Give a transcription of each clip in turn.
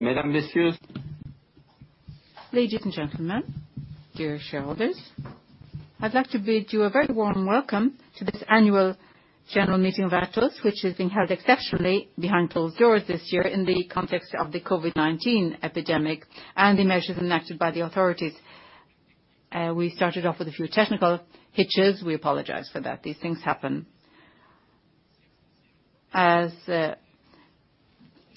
Ladies and gentlemen, dear shareholders, I'd like to bid you a very warm welcome to this annual general meeting of Atos, which is being held exceptionally behind closed doors this year in the context of the COVID-19 epidemic and the measures enacted by the authorities. We started off with a few technical hitches. We apologize for that. These things happen. As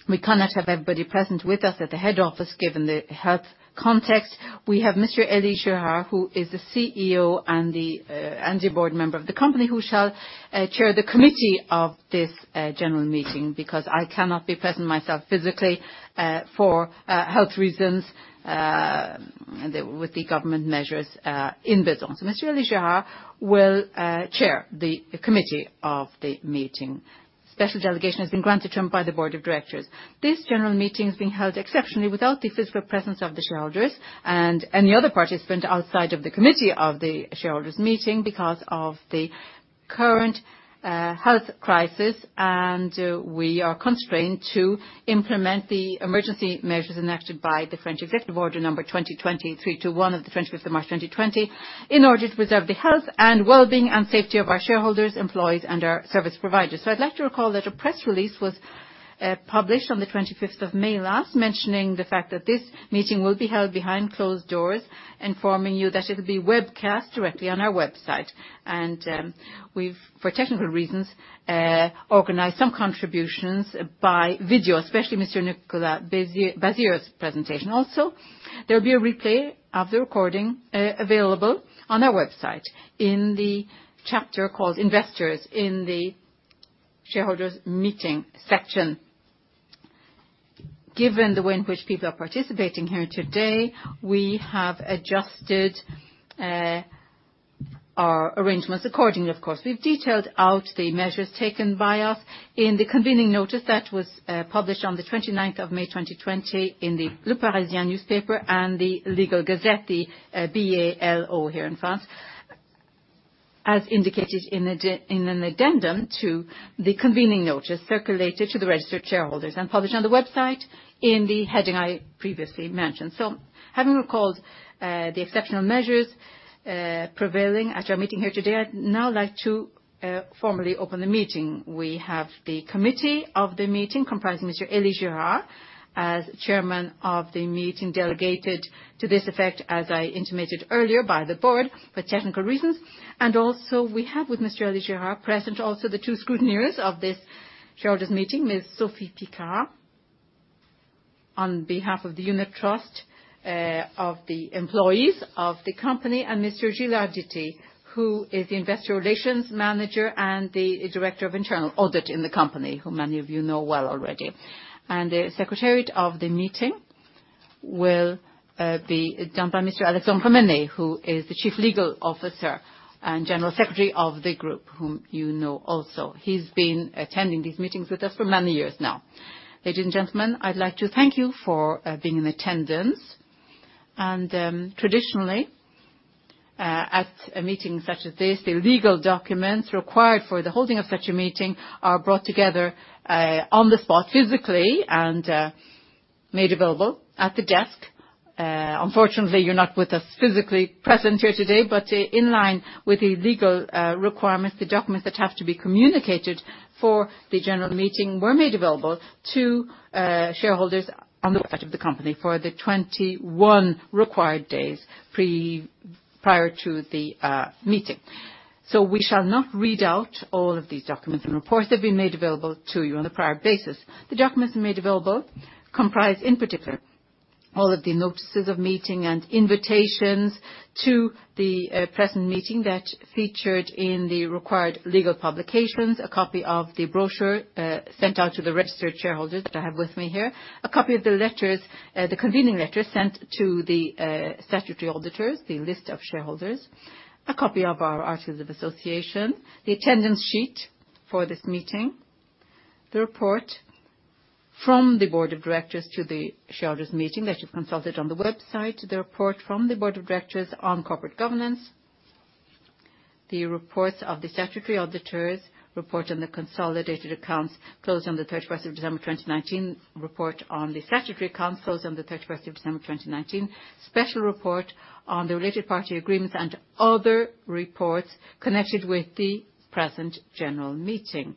we cannot have everybody present with us at the head office, given the health context, we have Mr. Elie Girard, who is the CEO and a board member of the company, who shall chair the committee of this general meeting, because I cannot be present myself physically for health reasons with the government measures in Bezons. So Mr. Elie Girard will chair the committee of the meeting. Special delegation has been granted to him by the Board of Directors. This general meeting is being held exceptionally without the physical presence of the shareholders and any other participant outside of the committee of the shareholders meeting because of the current health crisis, and we are constrained to implement the emergency measures enacted by the French executive order number twenty twenty-three two one of the twenty-fifth of March 2020, in order to preserve the health and well-being and safety of our shareholders, .....employees, and our service providers, so I'd like to recall that a press release was published on the twenty-fifth of May last, mentioning the fact that this meeting will be held behind closed doors, informing you that it'll be webcast directly on our website, and we've, for technical reasons, organized some contributions by video, especially Mr. Nicolas Bazire's presentation. Also, there'll be a replay of the recording available on our website in the chapter called Investors in the Shareholders Meeting section. Given the way in which people are participating here today, we have adjusted our arrangements accordingly, of course. We've detailed out the measures taken by us in the convening notice that was published on the twenty-ninth of May 2020, in the Le Parisien newspaper and the Legal Gazette, the BALO here in France, as indicated in an addendum to the convening notice circulated to the registered shareholders and published on the website in the heading I previously mentioned. Having recalled the exceptional measures prevailing at our meeting here today, I'd now like to formally open the meeting. We have the committee of the meeting, comprising Mr. ..Elie Girard, as chairman of the meeting, delegated to this effect, as I intimated earlier, by the board for technical reasons. And also, we have with Mr. Elie Girard, present also the two scrutineers of this shareholders meeting, Ms. Sophie Picard, on behalf of the unit trust, of the employees of the company, and Mr. Gilles Arditi, who is the Investor Relations Manager and the Director of Internal Audit in the company, who many of you know well already. And the secretariat of the meeting will, be done by Mr. Alexandre Menais, who is the Chief Legal Officer and General Secretary of the group, whom you know also. He's been attending these meetings with us for many years now. Ladies and gentlemen, I'd like to thank you for, being in attendance. Traditionally, at a meeting such as this, the legal documents required for the holding of such a meeting are brought together, on the spot, physically, and made available at the desk. Unfortunately, you're not with us physically present here today, but in line with the legal requirements, the documents that have to be communicated for the general meeting were made available to shareholders on the website of the company for the twenty-one required days prior to the meeting. We shall not read out all of these documents and reports that have been made available to you on a prior basis. The documents made available comprise, in particular, all of the notices of meeting and invitations to the present meeting that featured in the required legal publications, a copy of the brochure sent out to the registered shareholders, that I have with me here, a copy of the letters, the convening letters sent to the statutory auditors, the list of shareholders, a copy of our articles of association, the attendance sheet for this meeting, the report from the board of directors to the shareholders meeting that you've consulted on the website, the report from the board of directors on corporate governance, the reports of the statutory auditors, report on the consolidated accounts closed on the thirty-first of December 2019, report on the statutory accounts closed on the thirty-first of December 2019, special report on the related party agreements and other reports connected with the present general meeting.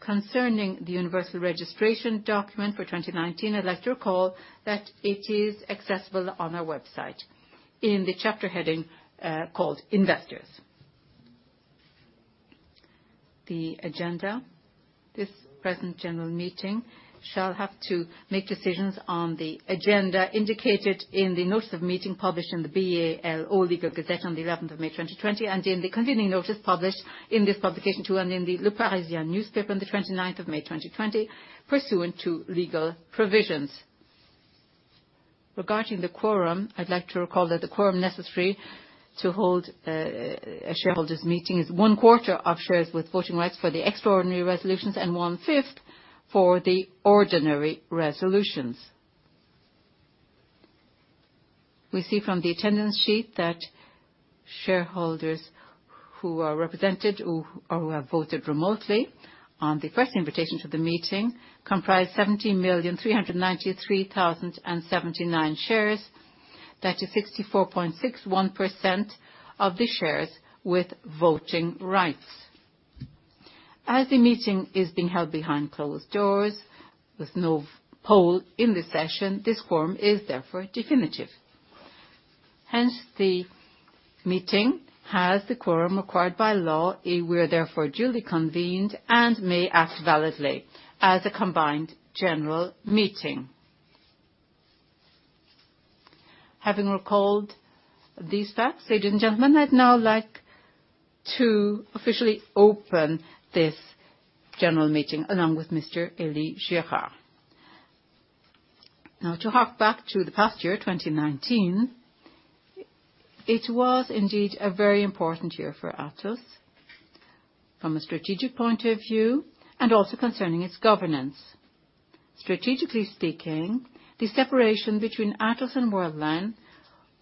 Concerning the universal registration document for 2019, I'd like to recall that it is accessible on our website in the chapter heading called Investors. The agenda. This present general meeting shall have to make decisions on the agenda indicated in the notice of meeting published in the BALO Legal Gazette on the eleventh of May 2020, and in the convening notice published in this publication, too, and in the Le Parisien newspaper on the twenty-ninth of May 2020, pursuant to legal provisions. Regarding the quorum, I'd like to recall that the quorum necessary to hold a shareholders' meeting is one quarter of shares with voting rights for the extraordinary resolutions and one-fifth for the ordinary resolutions. We see from the attendance sheet that shareholders who are represented or who have voted remotely on the first invitation to the meeting comprised seventy million, three hundred and ninety-three thousand and seventy-nine shares, that is 64.61% of the shares with voting rights. As the meeting is being held behind closed doors, with no poll in this session, this quorum is therefore definitive. Hence, the meeting has the quorum required by law. We are therefore duly convened and may act validly as a combined general meeting. Having recalled these facts, ladies and gentlemen, I'd now like to officially open this general meeting along with Mr. Elie Girard. Now, to hark back to the past year, 2019, it was indeed a very important year for Atos from a strategic point of view and also concerning its governance. Strategically speaking, the separation between Atos and Worldline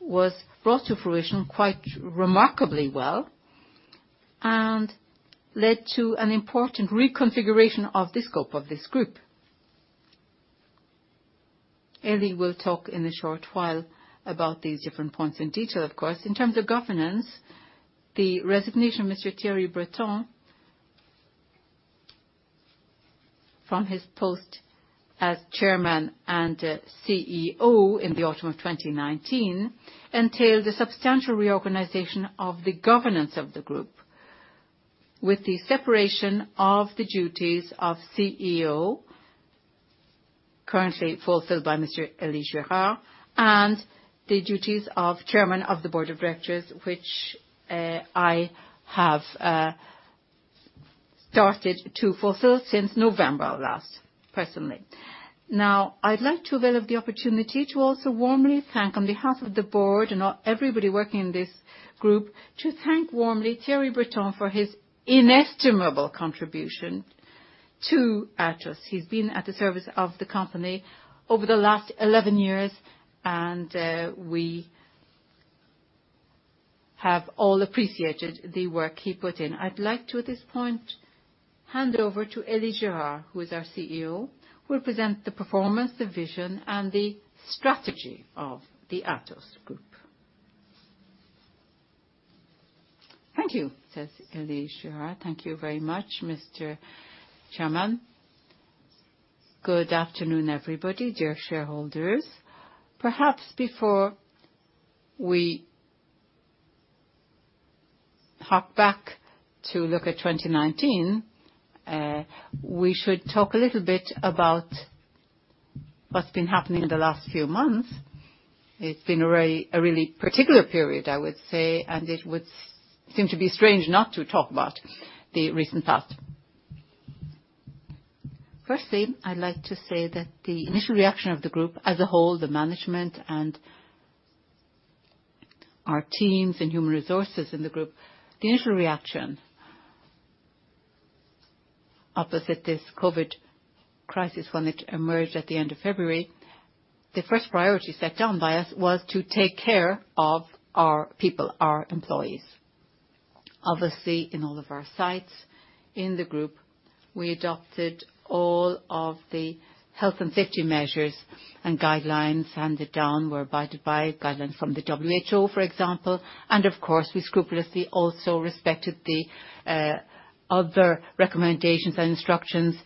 was brought to fruition quite remarkably well, and led to an important reconfiguration of the scope of this group. Elie will talk in a short while about these different points in detail, of course. In terms of governance, the resignation of Mr. Thierry Breton from his post as Chairman and CEO in the autumn of 2019 entailed a substantial reorganization of the governance of the group, with the separation of the duties of CEO, currently fulfilled by Mr. Elie Girard, and the duties of Chairman of the Board of Directors, which I have started to fulfill since November last, personally. Now, I'd like to avail of the opportunity to also warmly thank, on behalf of the board and all everybody working in this group, to thank warmly Thierry Breton for his inestimable contribution to Atos. He's been at the service of the company over the last eleven years, and, we have all appreciated the work he put in. I'd like to, at this point, hand over to Elie Girard, who is our CEO, who will present the performance, the vision, and the strategy of the Atos group. "Thank you," says Elie Girard. Thank you very much, Mr. Chairman. Good afternoon, everybody, dear shareholders. Perhaps before we hark back to look at twenty-nineteen, we should talk a little bit about what's been happening in the last few months. It's been a really particular period, I would say, and it would seem to be strange not to talk about the recent past. Firstly, I'd like to say that the initial reaction of the group as a whole, the management and our teams in human resources in the group, the initial reaction to this COVID crisis when it emerged at the end of February, the first priority set down by us was to take care of our people, our employees. Obviously, in all of our sites in the group, we adopted all of the health and safety measures and guidelines handed down and abided by guidelines from the WHO, for example, and of course, we scrupulously also respected the other recommendations and instructions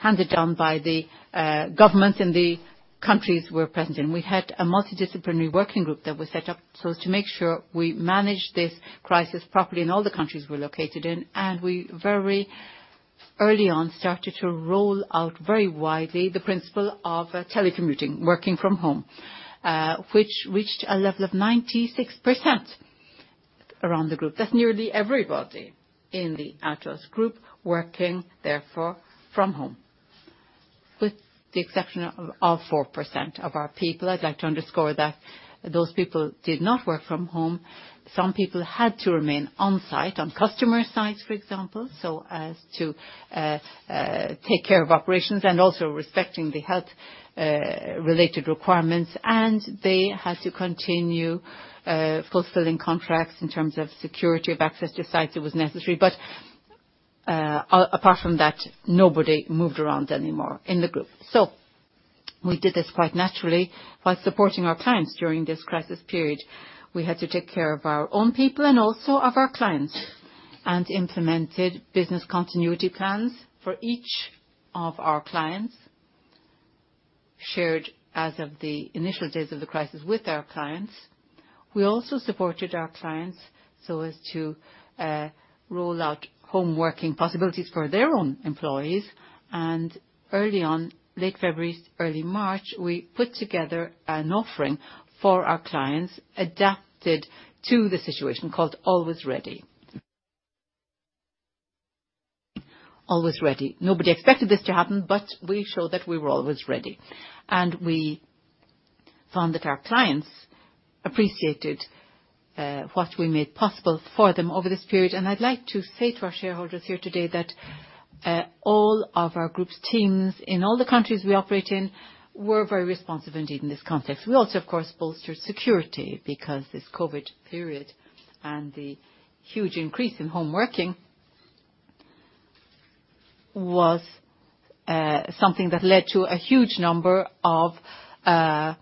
handed down by the government in the countries we're present in. We had a multidisciplinary working group that was set up so as to make sure we managed this crisis properly in all the countries we're located in, and we very early on started to roll out very widely the principle of telecommuting, working from home, which reached a level of 96% around the group. That's nearly everybody in the Atos group working therefore from home, with the exception of 4% of our people. I'd like to underscore that those people did not work from home. Some people had to remain on site, on customer sites, for example, so as to take care of operations and also respecting the health related requirements, and they had to continue fulfilling contracts in terms of security, of access to sites. It was necessary. But apart from that, nobody moved around anymore in the group. So we did this quite naturally while supporting our clients during this crisis period. We had to take care of our own people and also of our clients, and implemented business continuity plans for each of our clients, shared as of the initial days of the crisis with our clients. We also supported our clients so as to roll out home working possibilities for their own employees, and early on, late February, early March, we put together an offering for our clients, adapted to the situation, called Always Ready. Always Ready. Nobody expected this to happen, but we showed that we were always ready, and we found that our clients appreciated what we made possible for them over this period. And I'd like to say to our shareholders here today that all of our group's teams in all the countries we operate in were very responsive indeed in this context. We also, of course, bolstered security because this COVID period and the huge increase in home working was something that led to a huge number of attacks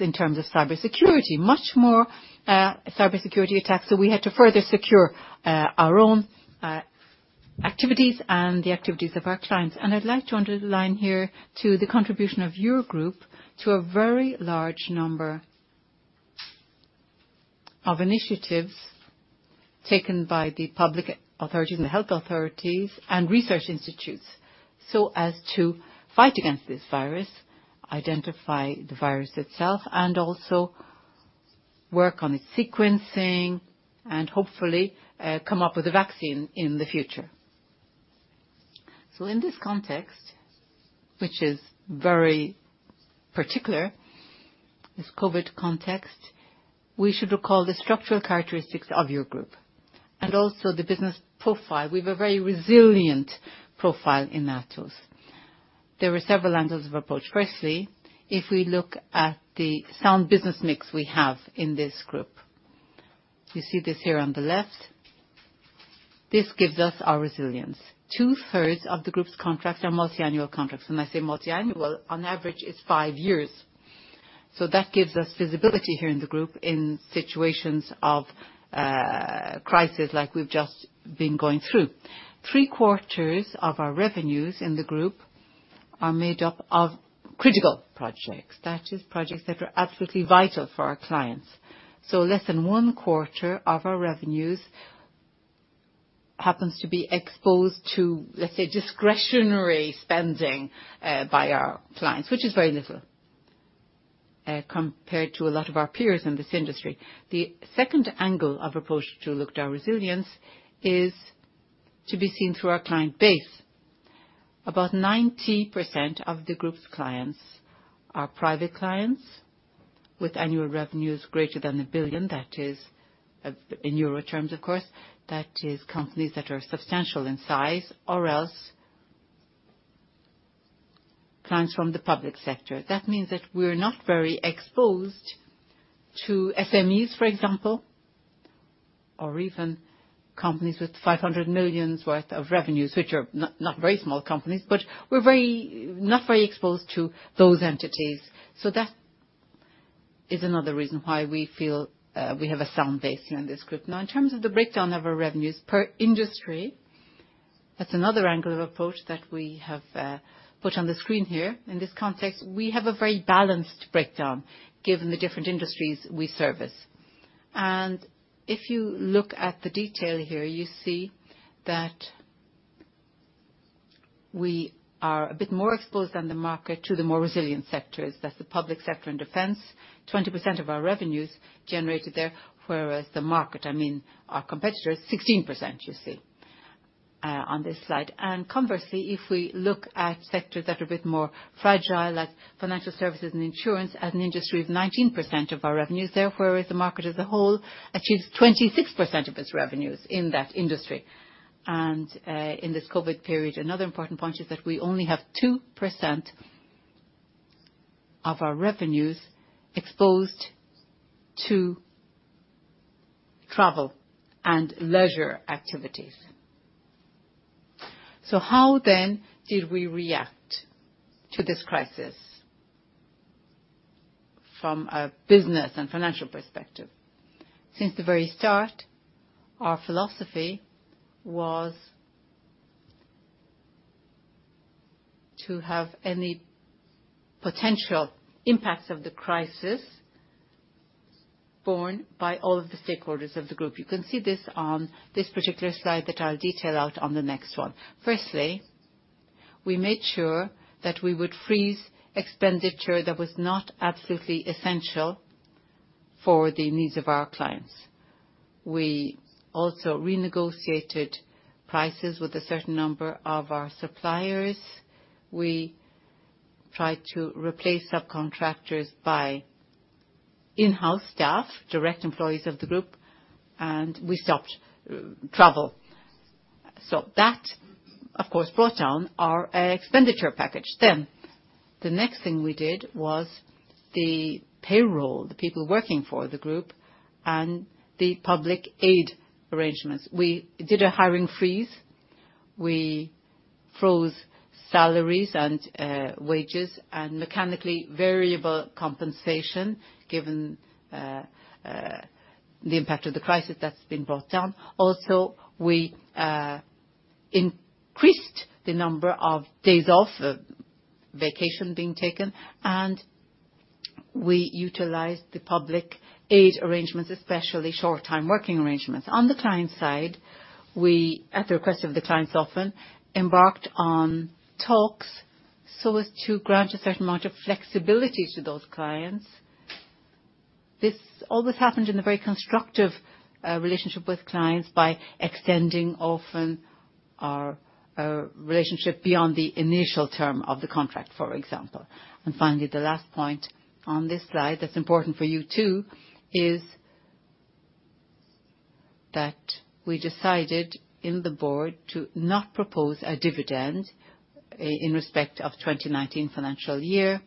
in terms of cybersecurity. Much more cybersecurity attacks, so we had to further secure our own activities and the activities of our clients. And I'd like to underline here, to the contribution of your group, to a very large number of initiatives taken by the public authorities and the health authorities and research institutes, so as to fight against this virus, identify the virus itself, and also work on the sequencing, and hopefully come up with a vaccine in the future. So in this context, which is very particular, this COVID context, we should recall the structural characteristics of your group, and also the business profile. We've a very resilient profile in Atos. There are several angles of approach. Firstly, if we look at the sound business mix we have in this group. You see this here on the left. This gives us our resilience. Two-thirds of the group's contracts are multi-annual contracts. When I say multi-annual, on average, it's five years. So that gives us visibility here in the group in situations of crisis, like we've just been going through. Three-quarters of our revenues in the group are made up of critical projects. That is, projects that are absolutely vital for our clients. So less than one-quarter of our revenues happens to be exposed to, let's say, discretionary spending by our clients, which is very little compared to a lot of our peers in this industry. The second angle of approach to look at our resilience is to be seen through our client base. About 90% of the group's clients are private clients, with annual revenues greater than 1 billion, that is, in euro terms, of course, that is companies that are substantial in size, or else clients from the public sector. That means that we're not very exposed to SMEs, for example, or even companies with 500 million worth of revenues, which are not very small companies, but we're not very exposed to those entities. So that is another reason why we feel we have a sound base in this group. Now, in terms of the breakdown of our revenues per industry, that's another angle of approach that we have put on the screen here. In this context, we have a very balanced breakdown, given the different industries we service. And if you look at the detail here, you see that we are a bit more exposed than the market to the more resilient sectors. That's the public sector and defense, 20% of our revenues generated there, whereas the market, I mean, our competitors, 16%, you see, on this slide. And conversely, if we look at sectors that are a bit more fragile, like financial services and insurance as an industry, is 19% of our revenues there, whereas the market as a whole achieves 26% of its revenues in that industry. And, in this COVID period, another important point is that we only have 2% of our revenues exposed to travel and leisure activities. So how then did we react to this crisis from a business and financial perspective? Since the very start, our philosophy was to have any potential impacts of the crisis borne by all of the stakeholders of the group. You can see this on this particular slide that I'll detail out on the next one. Firstly, we made sure that we would freeze expenditure that was not absolutely essential for the needs of our clients. We also renegotiated prices with a certain number of our suppliers. We tried to replace subcontractors by in-house staff, direct employees of the group, and we stopped travel. So that, of course, brought down our expenditure package. Then, the next thing we did was the payroll, the people working for the group, and the public aid arrangements. We did a hiring freeze. We froze salaries and wages and mechanically variable compensation, given the impact of the crisis that's been brought down. Also, we increased the number of days off, of vacation being taken, and we utilized the public aid arrangements, especially short-time working arrangements. On the client side, we, at the request of the clients often, embarked on talks so as to grant a certain amount of flexibility to those clients. This all happened in a very constructive relationship with clients by extending often-... our relationship beyond the initial term of the contract, for example. And finally, the last point on this slide that's important for you, too, is that we decided in the board to not propose a dividend in respect of 2019 financial year,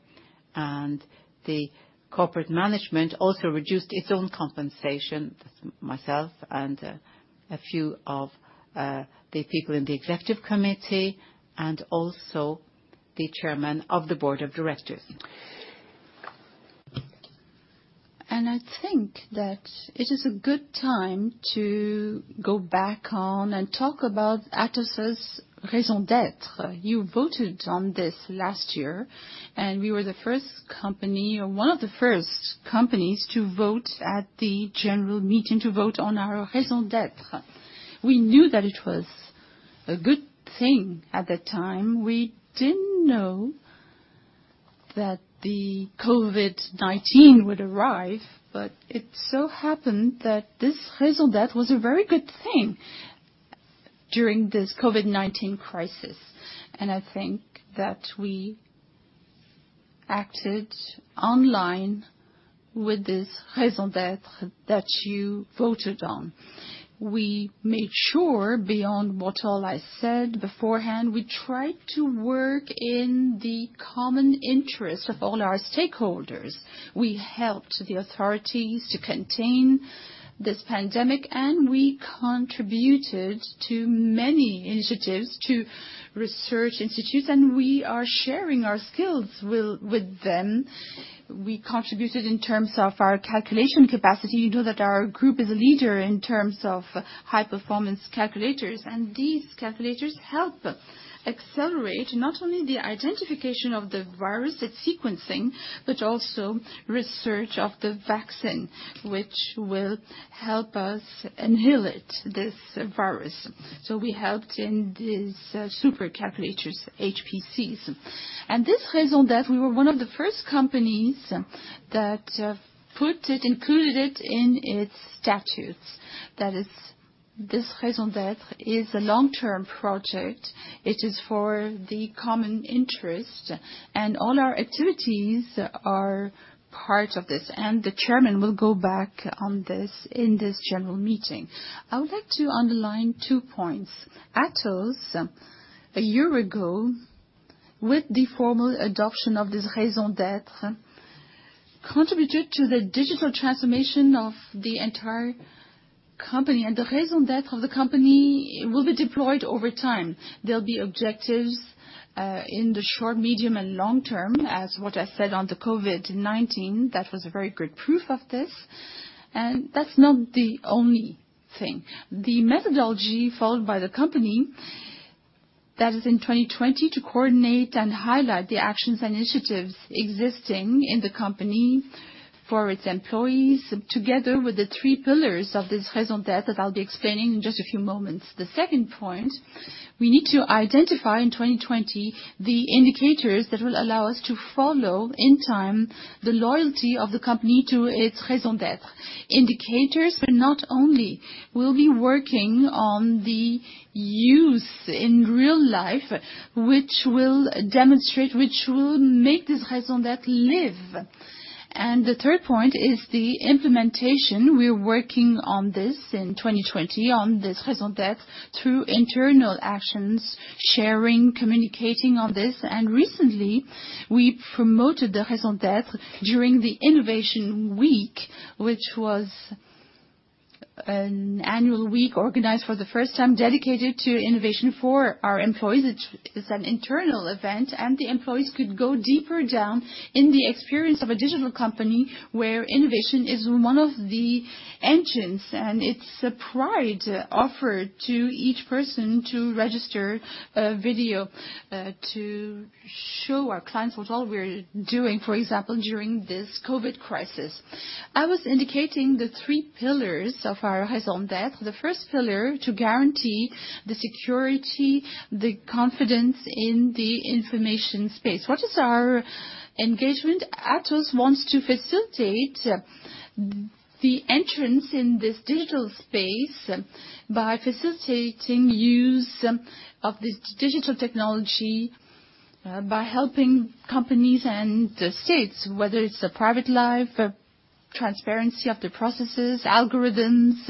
and the corporate management also reduced its own compensation, myself and a few of the people in the Executive Committee, and also the chairman of the Board of Directors. And I think that it is a good time to go back on and talk about Atos' raison d'être. You voted on this last year, and we were the first company, or one of the first companies, to vote at the general meeting, to vote on our raison d'être. We knew that it was a good thing at the time. We didn't know that the COVID-19 would arrive, but it so happened that this raison d'être was a very good thing during this COVID-19 crisis, and I think that we acted online with this raison d'être that you voted on. We made sure, beyond what all I said beforehand, we tried to work in the common interest of all our stakeholders. We helped the authorities to contain this pandemic, and we contributed to many initiatives, to research institutes, and we are sharing our skills will with them. We contributed in terms of our calculation capacity. You know that our group is a leader in terms of high-performance calculators, and these calculators help accelerate not only the identification of the virus, its sequencing, but also research of the vaccine, which will help us annihilate this virus. So we helped in these super calculators, HPCs. This raison d'être, we were one of the first companies that put it, included it in its statutes. That is, this raison d'être is a long-term project. It is for the common interest, and all our activities are part of this, and the chairman will go back on this in this general meeting. I would like to underline two points. Atos, a year ago, with the formal adoption of this raison d'être, contributed to the digital transformation of the entire company, and the raison d'être of the company will be deployed over time. There'll be objectives in the short, medium, and long term, as what I said on the COVID-19. That was a very great proof of this, and that's not the only thing. The methodology followed by the company, that is, in 2020, to coordinate and highlight the actions and initiatives existing in the company for its employees, together with the three pillars of this raison d'être that I'll be explaining in just a few moments. The second point, we need to identify in 2020 the indicators that will allow us to follow in time the loyalty of the company to its raison d'être. Indicators, but not only, we'll be working on the use in real life, which will demonstrate, which will make this raison d'être live. And the third point is the implementation. We're working on this in 2020, on this raison d'être, through internal actions, sharing, communicating on this, and recently we promoted the raison d'être during the Innovation Week, which was an annual week organized for the first time, dedicated to Innovation for our employees. It's, it's an internal event, and the employees could go deeper down in the experience of a digital company, where innovation is one of the engines, and it's a pride offered to each person to register a video, to show our clients what all we're doing, for example, during this COVID crisis. I was indicating the three pillars of our raison d'être. The first pillar, to guarantee the security, the confidence in the information space. What is our engagement? Atos wants to facilitate the entrance in this digital space by facilitating use of this digital technology, by helping companies and states, whether it's a private life, transparency of the processes, algorithms,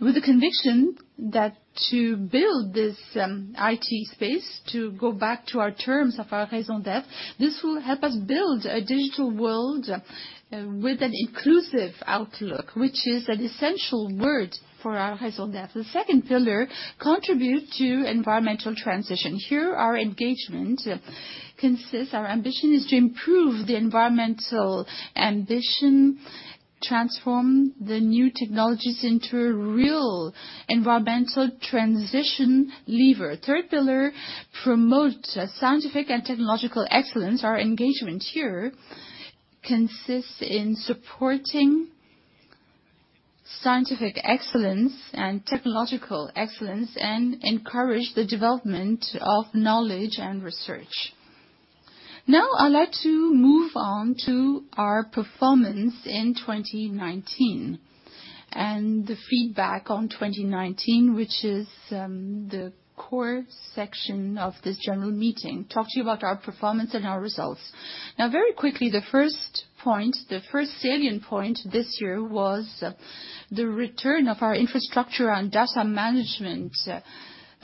with the conviction that to build this, IT space, to go back to our terms of our raison d'être, this will help us build a digital world with an inclusive outlook, which is an essential word for our raison d'être. The second pillar, contribute to environmental transition. Here, our engagement consists, our ambition is to improve the environmental ambition, transform the new technologies into a real environmental transition lever. Third pillar, promote scientific and technological excellence. Our engagement here consists in supporting scientific excellence and technological excellence and encourage the development of knowledge and research... Now I'd like to move on to our performance in 2019, and the feedback on 2019, which is the core section of this general meeting. Talk to you about our performance and our results. Now, very quickly, the first point, the first salient point this year was the return of our Infrastructure and Data Management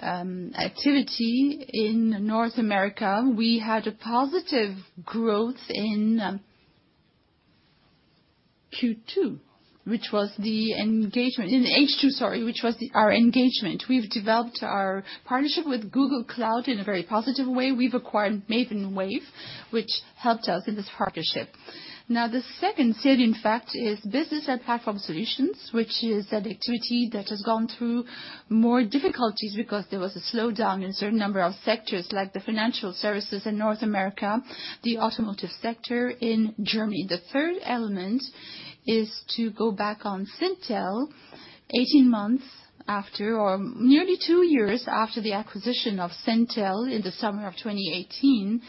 activity in North America. We had a positive growth in Q2, which was the engagement in H2, sorry, which was our engagement. We've developed our partnership with Google Cloud in a very positive way. We've acquired Maven Wave, which helped us in this partnership. Now, the second salient fact is Business and Platform Solutions, which is an activity that has gone through more difficulties because there was a slowdown in a certain number of sectors, like the financial services in North America, the automotive sector in Germany. The third element is to go back on Syntel, eighteen months after, or nearly two years after the acquisition of Syntel in the summer of twenty eighteen.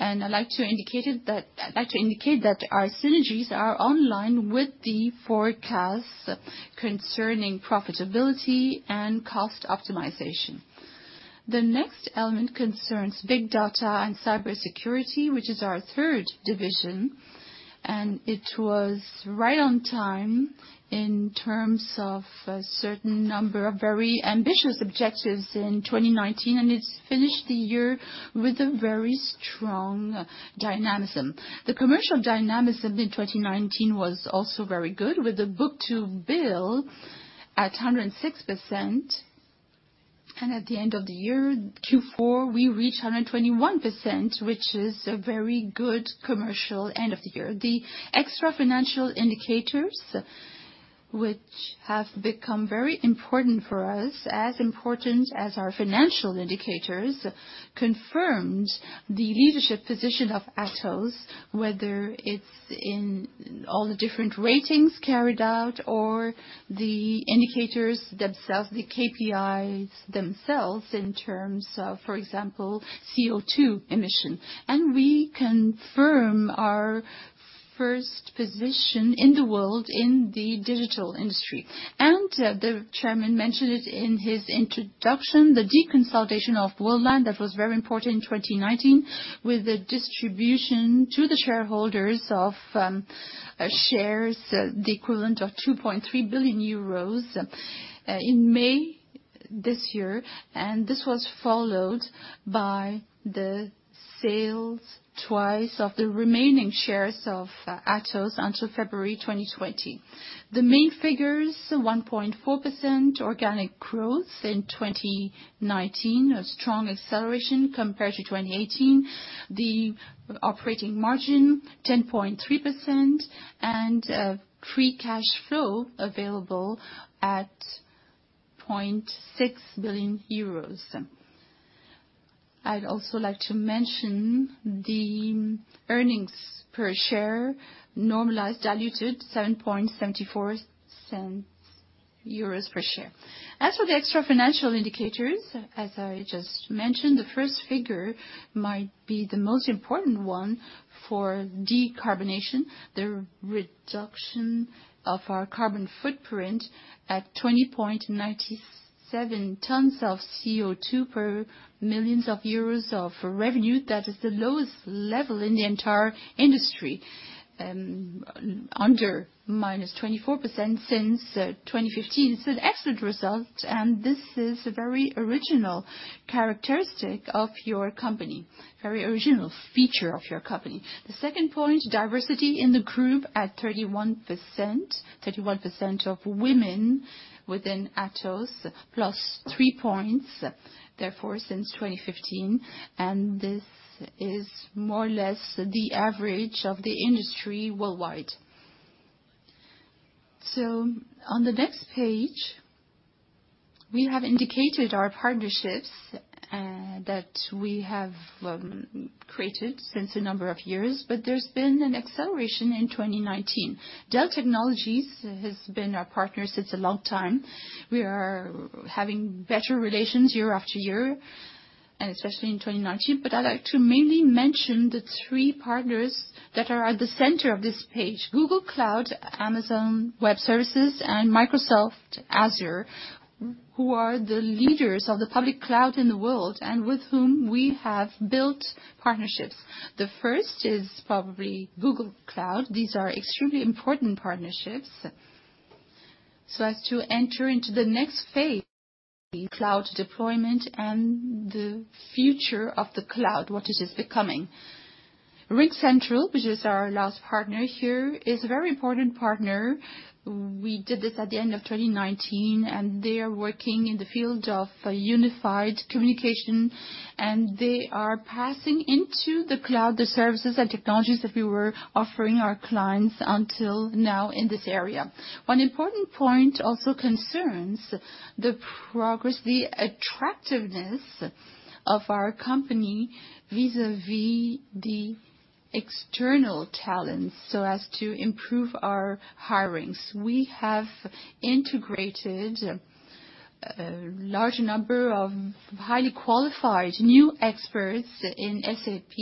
And I'd like to indicate that our synergies are in line with the forecasts concerning profitability and cost optimization. The next element concerns Big Data and Cybersecurity, which is our third division, and it was right on time in terms of a certain number of very ambitious objectives in twenty nineteen, and it's finished the year with a very strong dynamism. The commercial dynamism in twenty nineteen was also very good, with the book-to-bill at 106%, and at the end of the year, Q4, we reached 121%, which is a very good commercial end of the year. The extra financial indicators, which have become very important for us, as important as our financial indicators, confirms the leadership position of Atos, whether it's in all the different ratings carried out or the indicators themselves, the KPIs themselves, in terms of, for example, CO2 emission. We confirm our first position in the world in the digital industry. The chairman mentioned it in his introduction, the deconsolidation of Worldline, that was very important in 2019, with the distribution to the shareholders of shares, the equivalent of 2.3 billion euros in May this year, and this was followed by the two sales of the remaining shares of Atos until February 2020. The main figures, 1.4% organic growth in 2019, a strong acceleration compared to 2018. The operating margin, 10.3%, and free cash flow available at 0.6 billion euros. I'd also like to mention the earnings per share, normalized, diluted, 7.74 euros per share. As for the extra financial indicators, as I just mentioned, the first figure might be the most important one for decarbonization, the reduction of our carbon footprint at 20.97 tons of CO2 per million EUR of revenue. That is the lowest level in the entire industry, under -24% since 2015. It's an excellent result, and this is a very original characteristic of your company, very original feature of your company. The second point, diversity in the group at 31%. 31% of women within Atos, plus three points, therefore, since 2015, and this is more or less the average of the industry worldwide. On the next page, we have indicated our partnerships that we have created since a number of years, but there's been an acceleration in 2019. Dell Technologies has been our partner since a long time. We are having better relations year after year, and especially in 2019. But I'd like to mainly mention the three partners that are at the center of this page, Google Cloud, Amazon Web Services, and Microsoft Azure, who are the leaders of the public cloud in the world and with whom we have built partnerships. The first is probably Google Cloud. These are extremely important partnerships, so as to enter into the next phase, the cloud deployment and the future of the cloud, what it is becoming. RingCentral, which is our last partner here, is a very important partner. We did this at the end of twenty nineteen, and they are working in the field of unified communication, and they are passing into the cloud, the services and technologies that we were offering our clients until now in this area. One important point also concerns the progress, the attractiveness of our company vis-à-vis the external talents, so as to improve our hirings. We have integrated a large number of highly qualified new experts in SAP,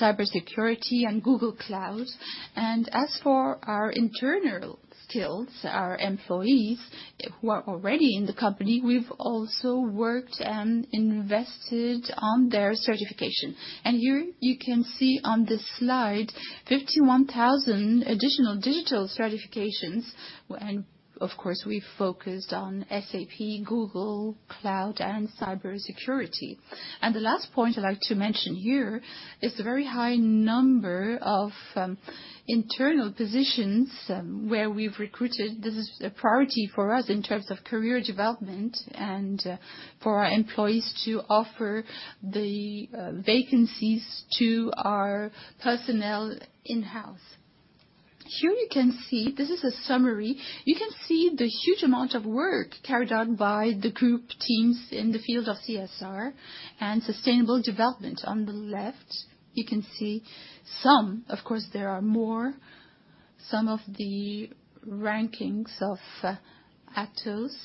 cybersecurity, and Google Cloud. And as for our internal skills, our employees who are already in the company, we've also worked and invested on their certification. And here, you can see on this slide, 51,000 additional digital certifications, and of course, we focused on SAP, Google Cloud, and cybersecurity. And the last point I'd like to mention here is the very high number of internal positions where we've recruited. This is a priority for us in terms of career development and for our employees to offer the vacancies to our personnel in-house. Here you can see, this is a summary. You can see the huge amount of work carried out by the group teams in the field of CSR and sustainable development. On the left, you can see some, of course, there are more, some of the rankings of Atos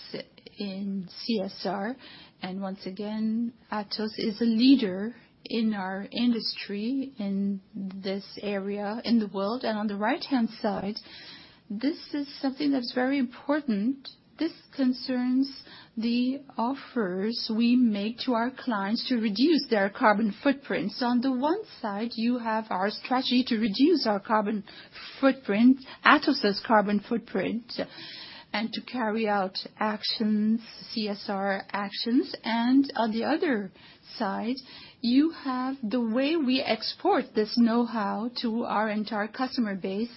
in CSR, and once again, Atos is a leader in our industry, in this area, in the world, and on the right-hand side, this is something that's very important. This concerns the offers we make to our clients to reduce their carbon footprint, so on the one side, you have our strategy to reduce our carbon footprint, Atos's carbon footprint, and to carry out actions, CSR actions. And on the other side, you have the way we export this know-how to our entire customer base,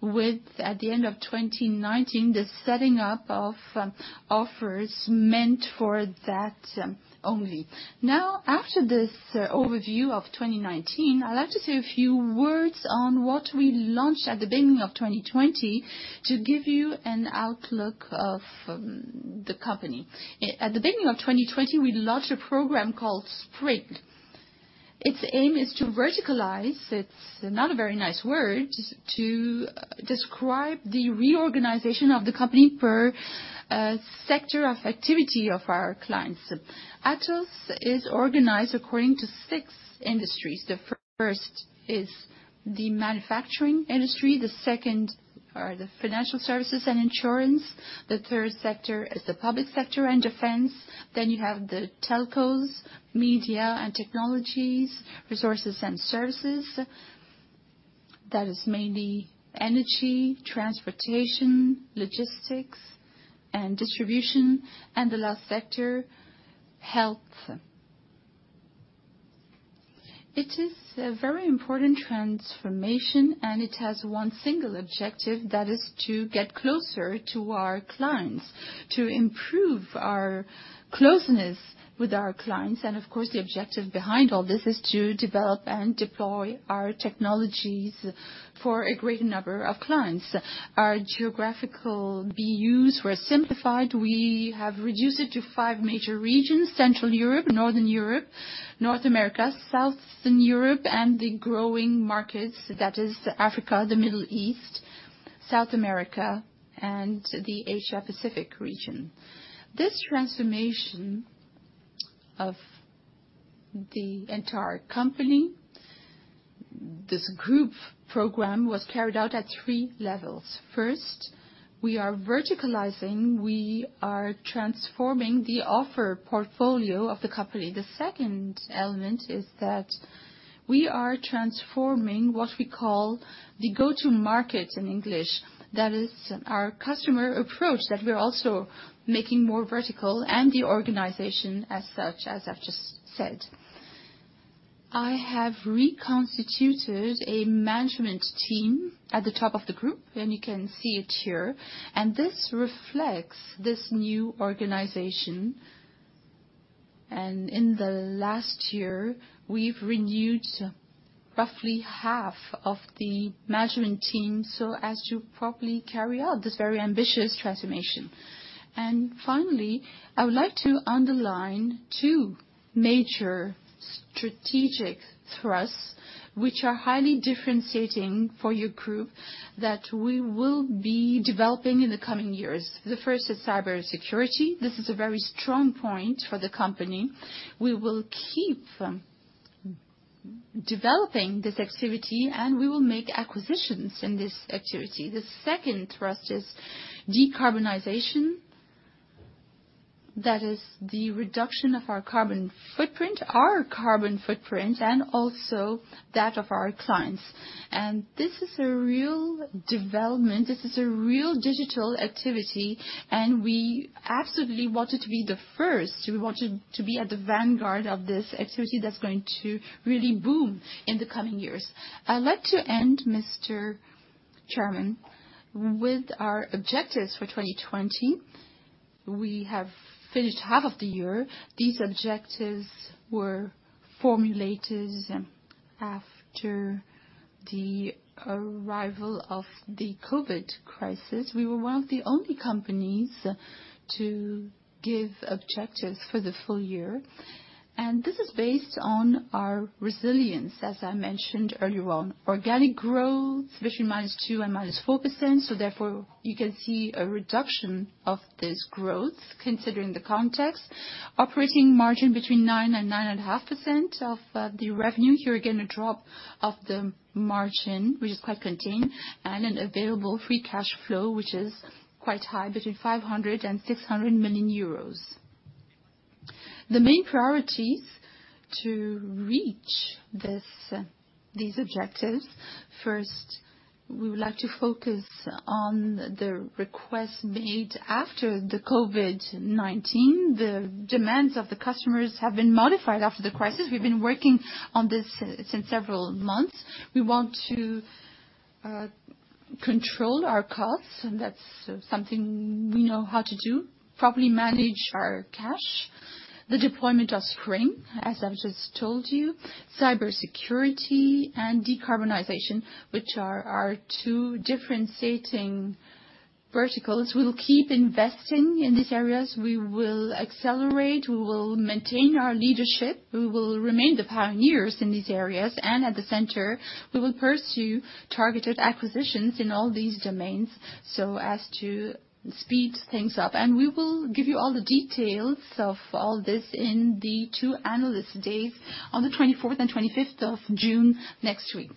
with, at the end of 2019, the setting up of offers meant for that only. Now, after this overview of 2019, I'd like to say a few words on what we launched at the beginning of 2020, to give you an outlook of the company. At the beginning of 2020, we launched a program called SPRING. Its aim is to verticalize, it's not a very nice word, to describe the reorganization of the company per sector of activity of our clients. Atos is organized according to six industries. The first is the manufacturing industry, the second are the financial services and insurance. The third sector is the public sector and defense. Then you have the telcos, media and technologies, resources and services. That is mainly energy, transportation, logistics, and distribution, and the last sector, health. It is a very important transformation, and it has one single objective, that is to get closer to our clients, to improve our closeness with our clients. And of course, the objective behind all this is to develop and deploy our technologies for a greater number of clients. Our geographical BUs were simplified. We have reduced it to five major regions, Central Europe, Northern Europe, North America, Southern Europe, and the Growing Markets, that is Africa, the Middle East, South America, and the Asia Pacific region. This transformation of the entire company, this group program, was carried out at three levels. First, we are verticalizing, we are transforming the offer portfolio of the company. The second element is that we are transforming what we call the go-to-market in English. That is our customer approach, that we're also making more vertical and the organization as such, as I've just said. I have reconstituted a management team at the top of the group, and you can see it here, and this reflects this new organization. And in the last year, we've renewed roughly half of the management team, so as to properly carry out this very ambitious transformation. And finally, I would like to underline two major strategic thrusts, which are highly differentiating for your group, that we will be developing in the coming years. The first is cybersecurity. This is a very strong point for the company. We will keep developing this activity, and we will make acquisitions in this activity. The second thrust is decarbonization. That is the reduction of our carbon footprint, our carbon footprint, and also that of our clients. This is a real development, this is a real digital activity, and we absolutely wanted to be the first. We wanted to be at the vanguard of this activity that's going to really boom in the coming years. I'd like to end, Mr. Chairman, with our objectives for twenty twenty. We have finished half of the year. These objectives were formulated after the arrival of the COVID crisis. We were one of the only companies to give objectives for the full year. This is based on our resilience, as I mentioned earlier on. Organic growth between -2% and -4%, so therefore, you can see a reduction of this growth, considering the context. Operating margin between 9% and 9.5% of the revenue. Here again, a drop of the margin, which is quite contained, and an available free cash flow, which is quite high, between 500 and 600 million euros. The main priorities to reach this, these objectives: First, we would like to focus on the request made after the COVID-19. The demands of the customers have been modified after the crisis. We've been working on this since several months. We want to control our costs, and that's something we know how to do, properly manage our cash, the deployment of SPRING, as I've just told you, cybersecurity and decarbonization, which are our two differentiating verticals. We'll keep investing in these areas. We will accelerate, we will maintain our leadership. We will remain the pioneers in these areas, and at the center, we will pursue targeted acquisitions in all these domains, so as to speed things up. We will give you all the details of all this in the two analyst days on the twenty-fourth and twenty-fifth of June, next week.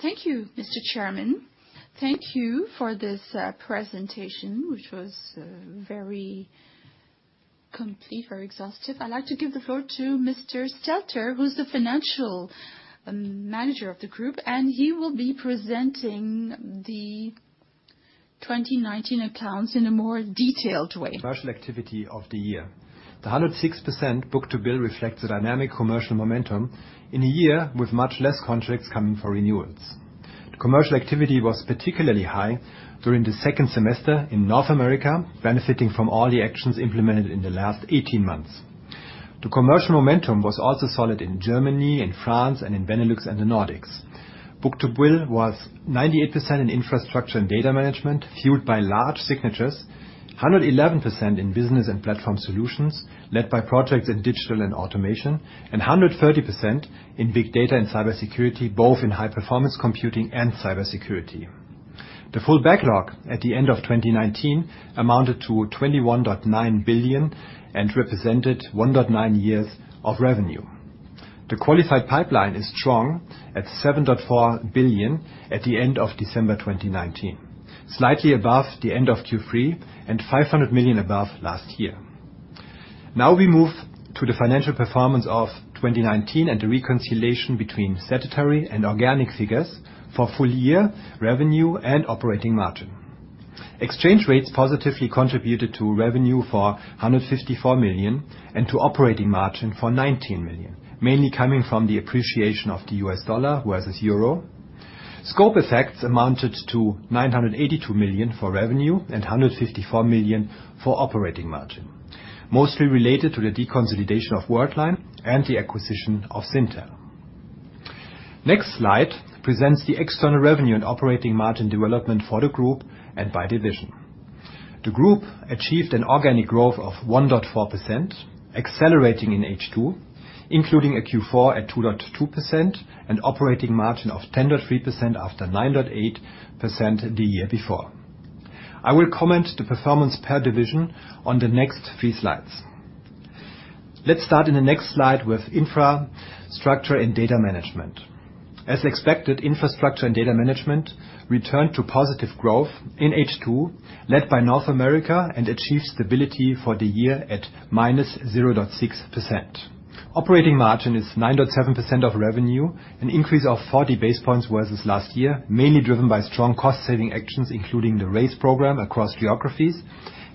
Thank you, Mr. Chairman. Thank you for this presentation, which was very complete, very exhaustive. I'd like to give the floor to Mr. Stelter, who's the financial manager of the group, and he will be presenting the twenty nineteen accounts in a more detailed way. Commercial activity of the year. The 106% book-to-bill reflects the dynamic commercial momentum in a year with much less contracts coming for renewals. The commercial activity was particularly high during the second semester in North America, benefiting from all the actions implemented in the last eighteen months. The commercial momentum was also solid in Germany and France and in Benelux and the Nordics. Book-to-bill was 98% in infrastructure and data management, fueled by large signatures, 111% in business and platform solutions, led by projects in digital and automation, and 130% in big data and cybersecurity, both in high-performance computing and cybersecurity. The full backlog at the end of 2019 amounted to 21.9 billion and represented 1.9 years of revenue. The qualified pipeline is strong at 7.4 billion at the end of December 2019, slightly above the end of Q3 and 500 million above last year. Now, we move to the financial performance of 2019 and the reconciliation between statutory and organic figures for full year revenue and operating margin. Exchange rates positively contributed to revenue for 154 million and to operating margin for 19 million, mainly coming from the appreciation of the US dollar versus euro. Scope effects amounted to 982 million for revenue and 154 million for operating margin, mostly related to the deconsolidation of Worldline and the acquisition of Syntel. Next slide presents the external revenue and operating margin development for the group and by division. The group achieved an organic growth of 1.4%, accelerating in H2, including a Q4 at 2.2% and operating margin of 10.3% after 9.8% the year before. I will comment the performance per division on the next three slides. Let's start in the next slide with infrastructure and data management. As expected, infrastructure and data management returned to positive growth in H2, led by North America, and achieved stability for the year at -0.6%. Operating margin is 9.7% of revenue, an increase of 40 basis points versus last year, mainly driven by strong cost-saving actions, including the RACE program across geographies,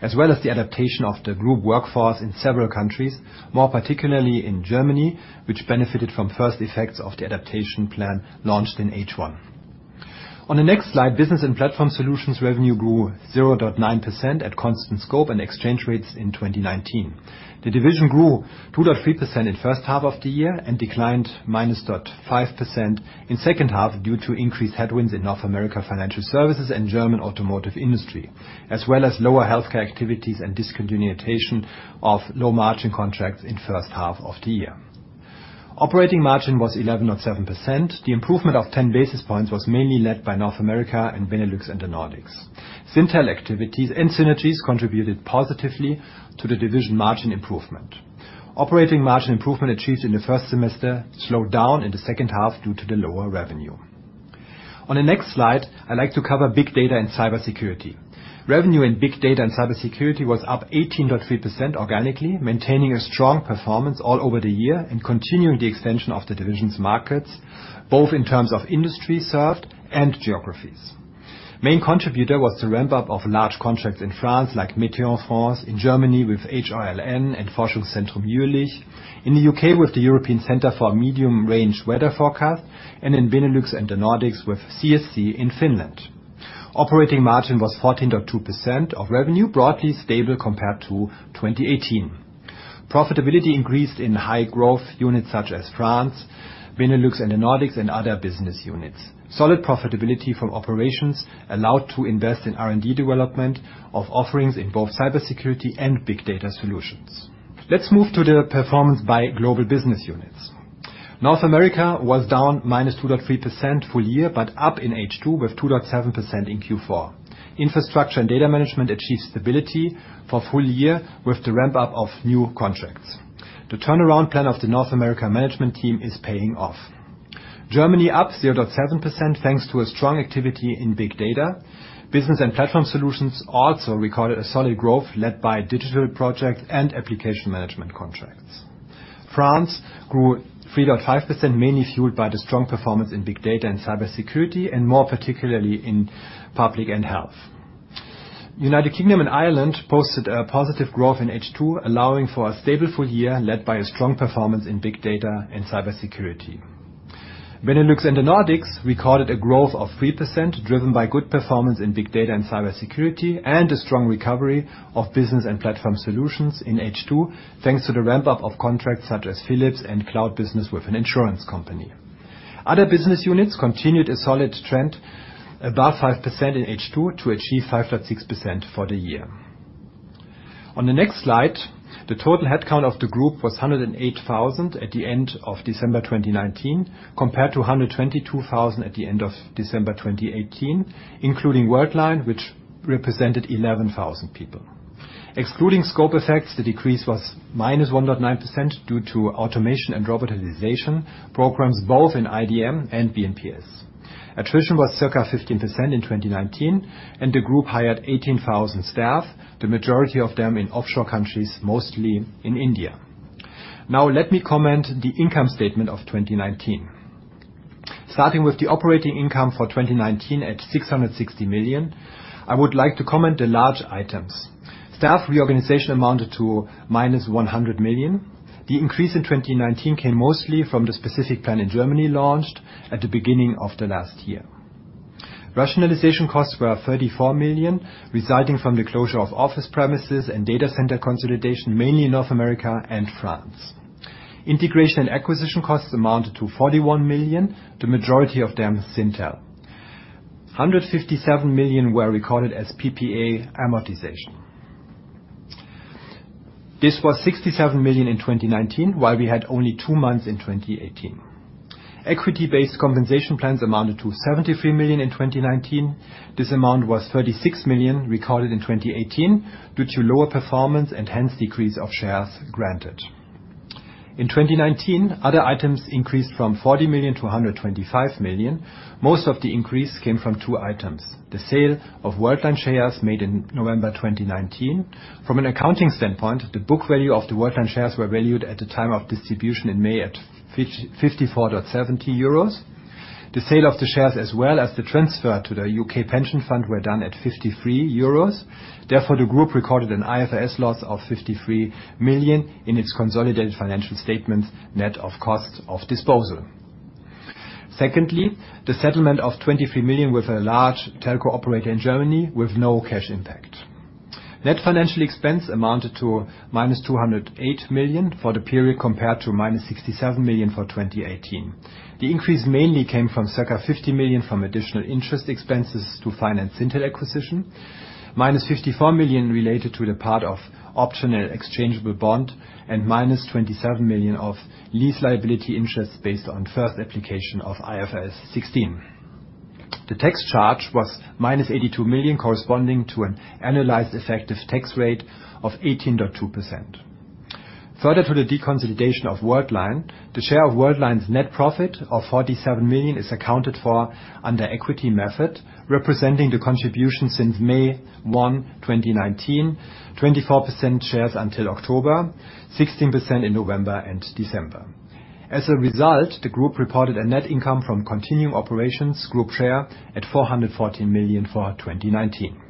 as well as the adaptation of the group workforce in several countries, more particularly in Germany, which benefited from first effects of the adaptation plan launched in H1. On the next slide, business and platform solutions revenue grew 0.9% at constant scope and exchange rates in 2019. The division grew 2.3% in first half of the year and declined -0.5% in second half due to increased headwinds in North America financial services and German automotive industry, as well as lower healthcare activities and discontinuation of low-margin contracts in first half of the year. Operating margin was 11.7%. The improvement of 10 basis points was mainly led by North America and Benelux and the Nordics. Syntel activities and synergies contributed positively to the division margin improvement. Operating margin improvement achieved in the first semester slowed down in the second half due to the lower revenue. On the next slide, I'd like to cover big data and cybersecurity. Revenue in big data and cybersecurity was up 18.3% organically, maintaining a strong performance all over the year and continuing the extension of the division's markets, both in terms of industry served and geographies. Main contributor was the ramp-up of large contracts in France, like Météo-France, in Germany, with HLRN and Forschungszentrum Jülich, in the U.K., with the European Centre for Medium-Range Weather Forecasts, and in Benelux and the Nordics with CSC in Finland. Operating margin was 14.2% of revenue, broadly stable compared to 2018. Profitability increased in high growth units such as France, Benelux, and the Nordics, and other business units. Solid profitability from operations allowed to invest in R&D development of offerings in both cybersecurity and big data solutions. Let's move to the performance by global business units. North America was down -2.3% full year, but up in H2 with 2.7% in Q4. Infrastructure and data management achieved stability for full year with the ramp-up of new contracts. The turnaround plan of the North America management team is paying off. Germany, up 0.7%, thanks to a strong activity in big data. Business and platform solutions also recorded a solid growth, led by digital projects and application management contracts. France grew 3.5%, mainly fueled by the strong performance in big data and cybersecurity, and more particularly in public and health. United Kingdom and Ireland posted a positive growth in H2, allowing for a stable full year, led by a strong performance in big data and cybersecurity. Benelux and the Nordics recorded a growth of 3%, driven by good performance in big data and cybersecurity, and a strong recovery of business and platform solutions in H2, thanks to the ramp-up of contracts such as Philips and cloud business with an insurance company. Other business units continued a solid trend, above 5% in H2, to achieve 5.6% for the year. On the next slide, the total headcount of the group was 108,000 at the end of December 2019, compared to 122,000 at the end of December 2018, including Worldline, which represented 11,000 people. Excluding scope effects, the decrease was -1.9% due to automation and robotization programs, both in IDM and B&PS. Attrition was circa 15% in 2019, and the group hired 18,000 staff, the majority of them in offshore countries, mostly in India. Now, let me comment on the income statement of 2019. Starting with the operating income for 2019 at 660 million, I would like to comment on the large items. Staff reorganization amounted to -100 million. The increase in 2019 came mostly from the specific plan in Germany, launched at the beginning of the last year. Rationalization costs were 34 million, resulting from the closure of office premises and data center consolidation, mainly in North America and France. Integration and acquisition costs amounted to 41 million, the majority of them Syntel. 157 million were recorded as PPA amortization. This was 67 million in 2019, while we had only two months in 2018. Equity-based compensation plans amounted to 73 million in 2019. This amount was 36 million recorded in 2018 due to lower performance and hence decrease of shares granted. In 2019, other items increased from 40 million to 125 million. Most of the increase came from two items: the sale of Worldline shares made in November 2019. From an accounting standpoint, the book value of the Worldline shares were valued at the time of distribution in May at 54.70 euros. The sale of the shares, as well as the transfer to the U.K. pension fund, were done at 53 euros. Therefore, the group recorded an IFRS loss of 53 million in its consolidated financial statements, net of costs of disposal. Secondly, the settlement of 23 million with a large telco operator in Germany with no cash impact. Net financial expense amounted to -208 million for the period, compared to -67 million for 2018. The increase mainly came from circa 50 million from additional interest expenses to finance Syntel acquisition, -54 million related to the part of optional exchangeable bond, and -27 million of lease liability interest based on first application of IFRS 16. The tax charge was -82 million, corresponding to an analyzed effective tax rate of 18.2%. Further to the deconsolidation of Worldline, the share of Worldline's net profit of 47 million is accounted for under equity method, representing the contribution since May 1, 2019, 24% shares until October, 16% in November and December. As a result, the group reported a net income from continuing operations group share at 414 million for 2019.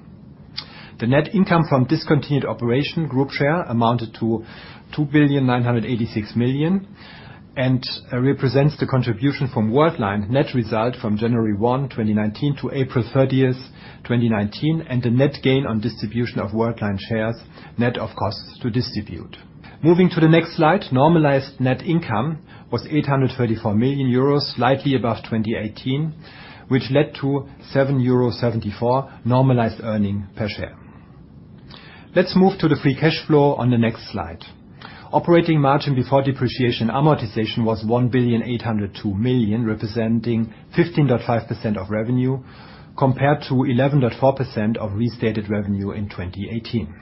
The net income from discontinued operation group share amounted to 2.986 billion, and represents the contribution from Worldline net result from January 1, 2019 to April 30, 2019, and the net gain on distribution of Worldline shares, net of costs to distribute. Moving to the next slide, normalized net income was 834 million euros, slightly above 2018, which led to 7.74 euros normalized earning per share. Let's move to the free cash flow on the next slide. Operating margin before depreciation, amortization was 1.802 billion, representing 15.5% of revenue, compared to 11.4% of restated revenue in 2018.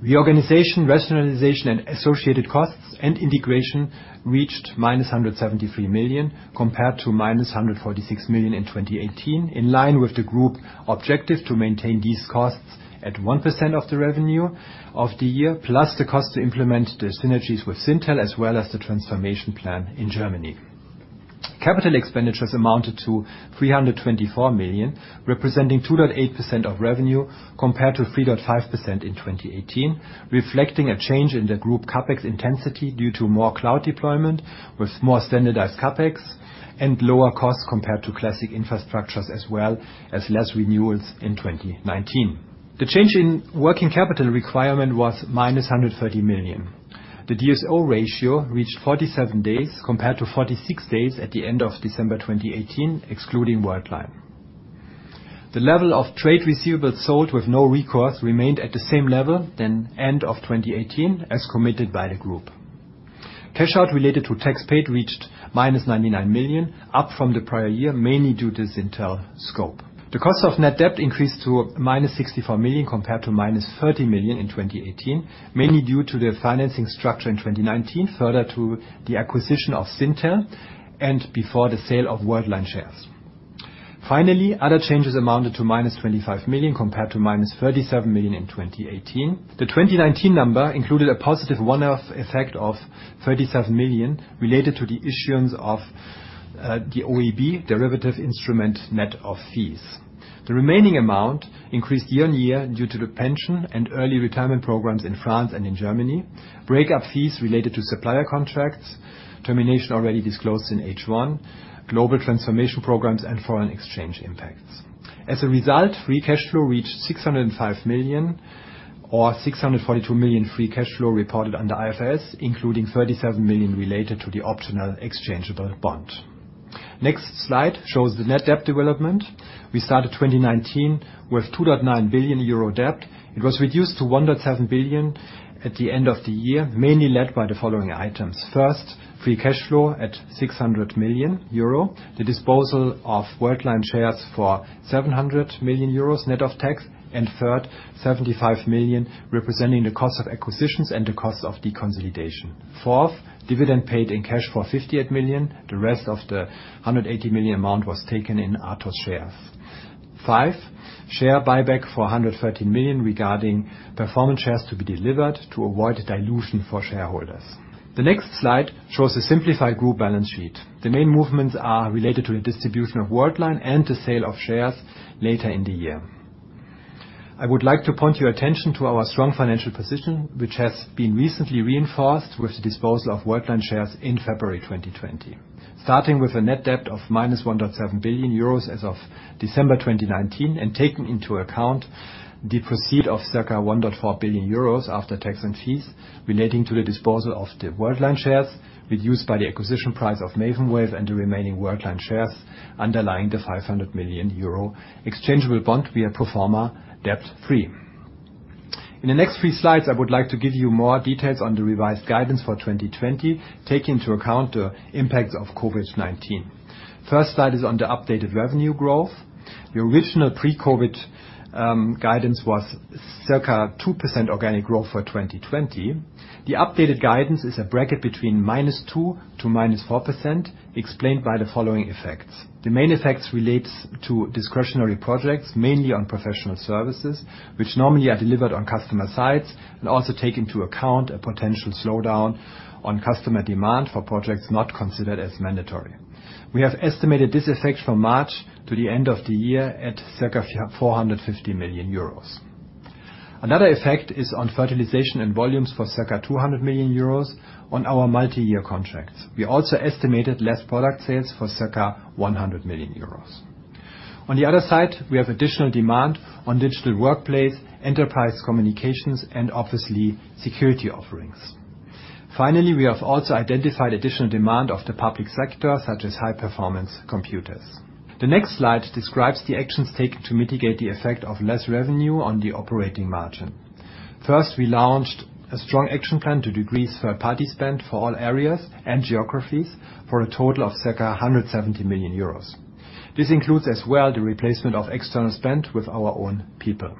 Reorganization, rationalization and associated costs and integration reached −173 million, compared to −146 million in 2018, in line with the group objective to maintain these costs at 1% of the revenue of the year, plus the cost to implement the synergies with Syntel, as well as the transformation plan in Germany. Capital expenditures amounted to 324 million, representing 2.8% of revenue, compared to 3.5% in 2018, reflecting a change in the group CapEx intensity due to more cloud deployment, with more standardized CapEx and lower costs compared to classic infrastructures, as well as less renewals in 2019. The change in working capital requirement was −130 million. The DSO ratio reached 47 days, compared to 46 days at the end of December 2018, excluding Worldline. The level of trade receivables sold with no recourse remained at the same level than end of 2018, as committed by the group. Cash out related to tax paid reached -99 million, up from the prior year, mainly due to Syntel scope. The cost of net debt increased to -64 million, compared to -30 million in 2018, mainly due to the financing structure in 2019, further to the acquisition of Syntel and before the sale of Worldline shares. Finally, other changes amounted to -25 million, compared to -37 million in 2018. The 2019 number included a positive one-off effect of 37 million related to the issuance of the OEB derivative instrument, net of fees. The remaining amount increased year-on-year due to the pension and early retirement programs in France and in Germany, breakup fees related to supplier contracts, termination already disclosed in H1, global transformation programs, and foreign exchange impacts. As a result, free cash flow reached 605 million, or 642 million free cash flow reported under IFRS, including 37 million related to the optional exchangeable bond. Next slide shows the net debt development. We started 2019 with 2.9 billion euro debt. It was reduced to 1.7 billion at the end of the year, mainly led by the following items: First, free cash flow at 600 million euro. The disposal of Worldline shares for 700 million euros, net of tax. And third, 75 million, representing the cost of acquisitions and the cost of deconsolidation. Fourth, dividend paid in cash for 58 million. The rest of the 180 million amount was taken in Atos shares. Five, share buyback for a 113 million regarding performance shares to be delivered to avoid dilution for shareholders. The next slide shows a simplified group balance sheet. The main movements are related to the distribution of Worldline and the sale of shares later in the year. I would like to point your attention to our strong financial position, which has been recently reinforced with the disposal of Worldline shares in February 2020. Starting with a net debt of -1.7 billion euros as of December 2019, and taking into account the proceeds of circa 1.4 billion euros after tax and fees relating to the disposal of the Worldline shares, reduced by the acquisition price of Maven Wave and the remaining Worldline shares underlying the 500 million euro exchangeable bond, we are pro forma debt-free. In the next three slides, I would like to give you more details on the revised guidance for 2020, take into account the impacts of COVID-19. First slide is on the updated revenue growth. The original pre-COVID guidance was circa 2% organic growth for 2020. The updated guidance is a bracket between -2% to -4%, explained by the following effects. The main effects relate to discretionary projects, mainly on professional services, which normally are delivered on customer sites, and also take into account a potential slowdown on customer demand for projects not considered as mandatory. We have estimated this effect from March to the end of the year at circa 450 million euros. Another effect is on utilization and volumes for circa 200 million euros on our multi-year contracts. We also estimated less product sales for circa 100 million euros. On the other side, we have additional demand on Digital Workplace, enterprise communications, and obviously, security offerings. Finally, we have also identified additional demand of the public sector, such as high-performance computers. The next slide describes the actions taken to mitigate the effect of less revenue on the operating margin. First, we launched a strong action plan to decrease third-party spend for all areas and geographies, for a total of circa 170 million euros. This includes as well, the replacement of external spend with our own people.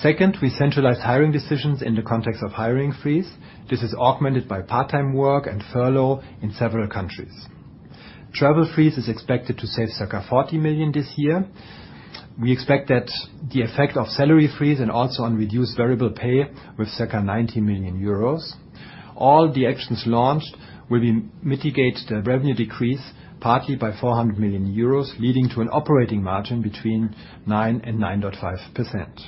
Second, we centralized hiring decisions in the context of hiring freeze. This is augmented by part-time work and furlough in several countries. Travel freeze is expected to save circa 40 million this year. We expect that the effect of salary freeze and also on reduced variable pay with circa 90 million euros. All the actions launched will be mitigate the revenue decrease, partly by 400 million euros, leading to an operating margin between 9% and 9.5%.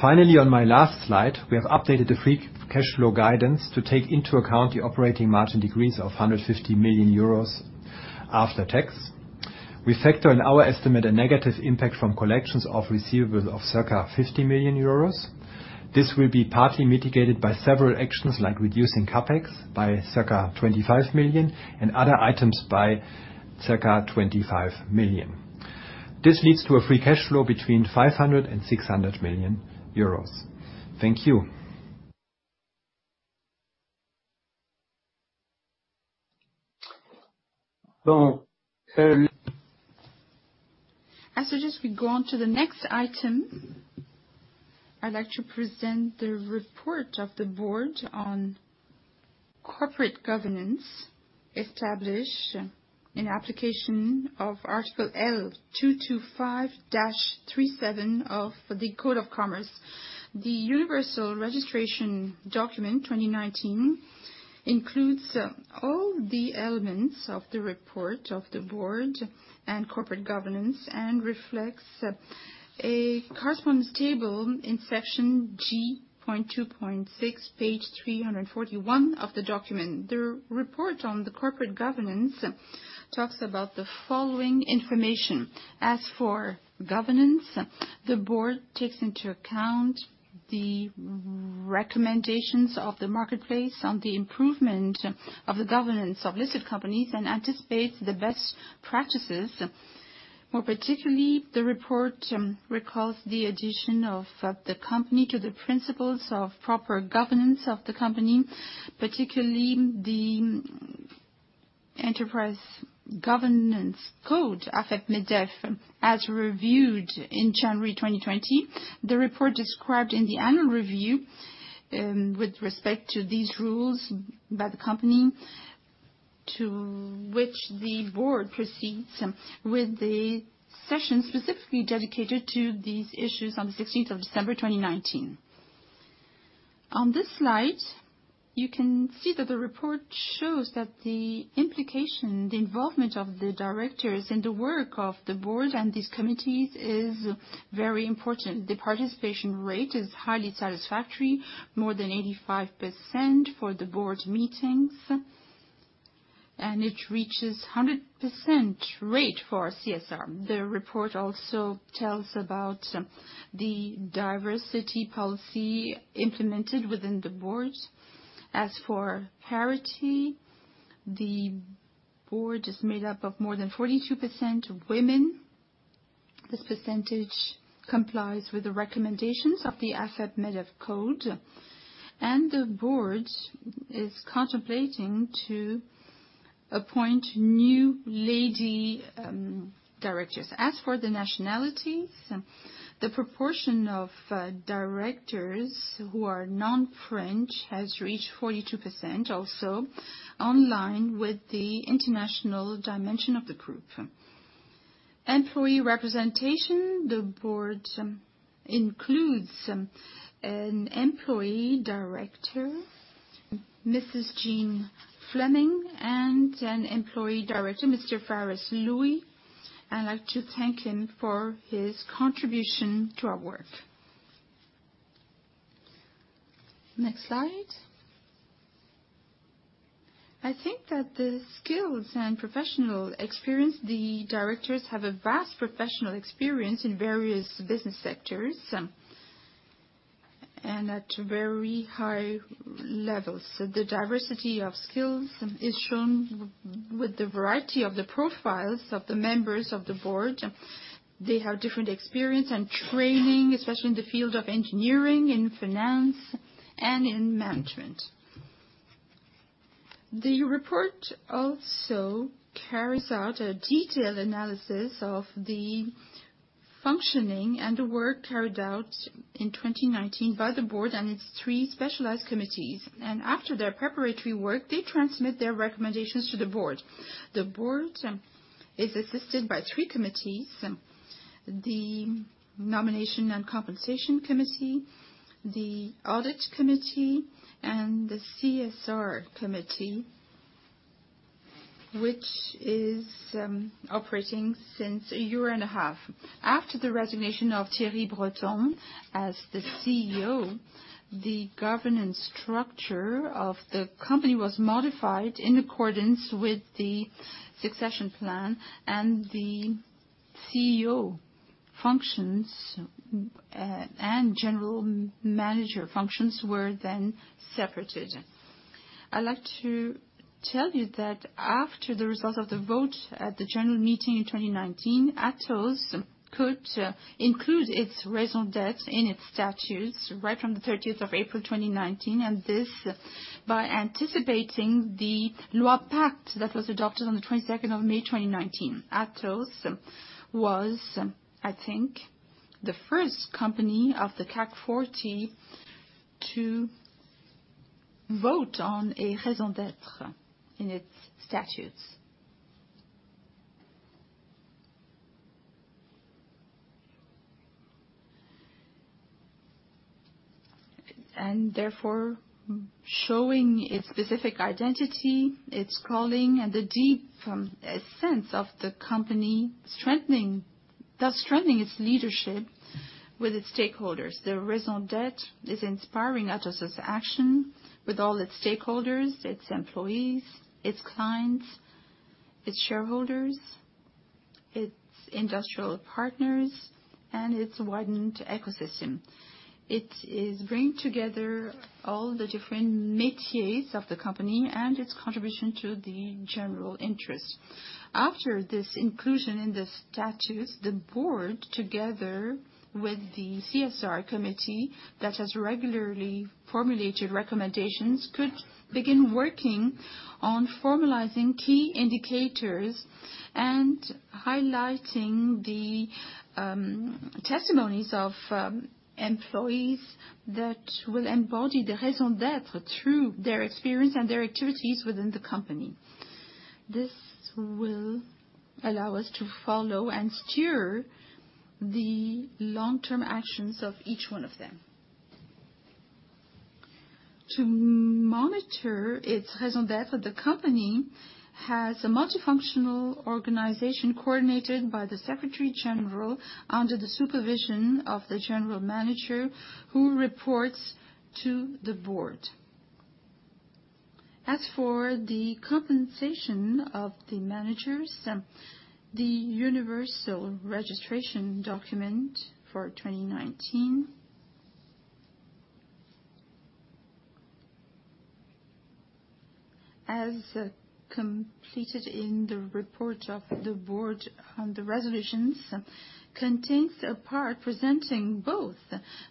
Finally, on my last slide, we have updated the free cash flow guidance to take into account the operating margin decrease of 150 million euros after tax. We factor in our estimate, a negative impact from collections of receivables of circa 50 million euros. This will be partly mitigated by several actions, like reducing CapEx by circa 25 million, and other items by circa 25 million. This leads to a free cash flow between 500 million euros and 600 million euros. Thank you. So, I suggest we go on to the next item. I'd like to present the report of the board on corporate governance, established in application of Article L225-37 of the Code of Commerce. The Universal Registration Document 2019 includes all the elements of the report of the board and corporate governance, and reflects a correspondence table in section G.2.6, page 341 of the document. The report on corporate governance talks about the following information. As for governance, the board takes into account the recommendations of the marketplace on the improvement of the governance of listed companies, and anticipates the best practices. More particularly, the report recalls the addition of the company to the principles of proper governance of the company, particularly the enterprise governance code, AFEP-MEDEF, as reviewed in January 2020. The report described in the annual review, with respect to these rules by the company, to which the board proceeds, with the session specifically dedicated to these issues on the sixteenth of December, twenty nineteen. On this slide, you can see that the report shows that the implication, the involvement of the directors in the work of the board and these committees is very important. The participation rate is highly satisfactory, more than 85% for the board meetings, and it reaches 100% rate for CSR. The report also tells about, the diversity policy implemented within the board. As for parity, the board is made up of more than 42% women. This percentage complies with the recommendations of the AFEP-MEDEF code, and the board is contemplating to appoint new lady directors. As for the nationality, the proportion of directors who are non-French has reached 42%, also in line with the international dimension of the group. Employee representation, the board includes an employee director, Mrs. Jean Fleming, and an employee director, Mr. Farès Louis. I'd like to thank him for his contribution to our work. Next slide. I think that the skills and professional experience, the directors have a vast professional experience in various business sectors, and at very high levels. The diversity of skills is shown with the variety of the profiles of the members of the board. They have different experience and training, especially in the field of engineering, in finance, and in management. The report also carries out a detailed analysis of the functioning and the work carried out in 2019 by the board and its three specialized committees. After their preparatory work, they transmit their recommendations to the board. The board is assisted by three committees: the Nomination and Compensation Committee, the Audit Committee, and the CSR Committee, which is operating since a year and a half. After the resignation of Thierry Breton as the CEO, the governance structure of the company was modified in accordance with the succession plan, and the CEO functions and general manager functions were then separated. I'd like to tell you that after the results of the vote at the general meeting in twenty nineteen, Atos could include its raison d'être in its statutes right from the thirteenth of April, twenty nineteen, and this by anticipating the Loi PACTE that was adopted on the twenty-second of May, twenty nineteen. Atos was, I think, the first company of the CAC 40 to vote on a raison d'être in its statutes, and therefore showing its specific identity, its calling, and the deep essence of the company, thus strengthening its leadership with its stakeholders. The raison d'être is inspiring Atos' action with all its stakeholders, its employees, its clients, its shareholders, its industrial partners, and its widened ecosystem. It is bringing together all the different métiers of the company and its contribution to the general interest. After this inclusion in the statutes, the board, together with the CSR committee, that has regularly formulated recommendations, could begin working on formalizing key indicators and highlighting the testimonies of employees that will embody the raison d'être through their experience and their activities within the company. This will allow us to follow and steer the long-term actions of each one of them. To monitor its raison d'être, the company has a multifunctional organization coordinated by the Secretary General under the supervision of the General Manager, who reports to the board. ...As for the compensation of the managers, the Universal Registration Document for 2019, as completed in the report of the board on the resolutions, contains a part presenting both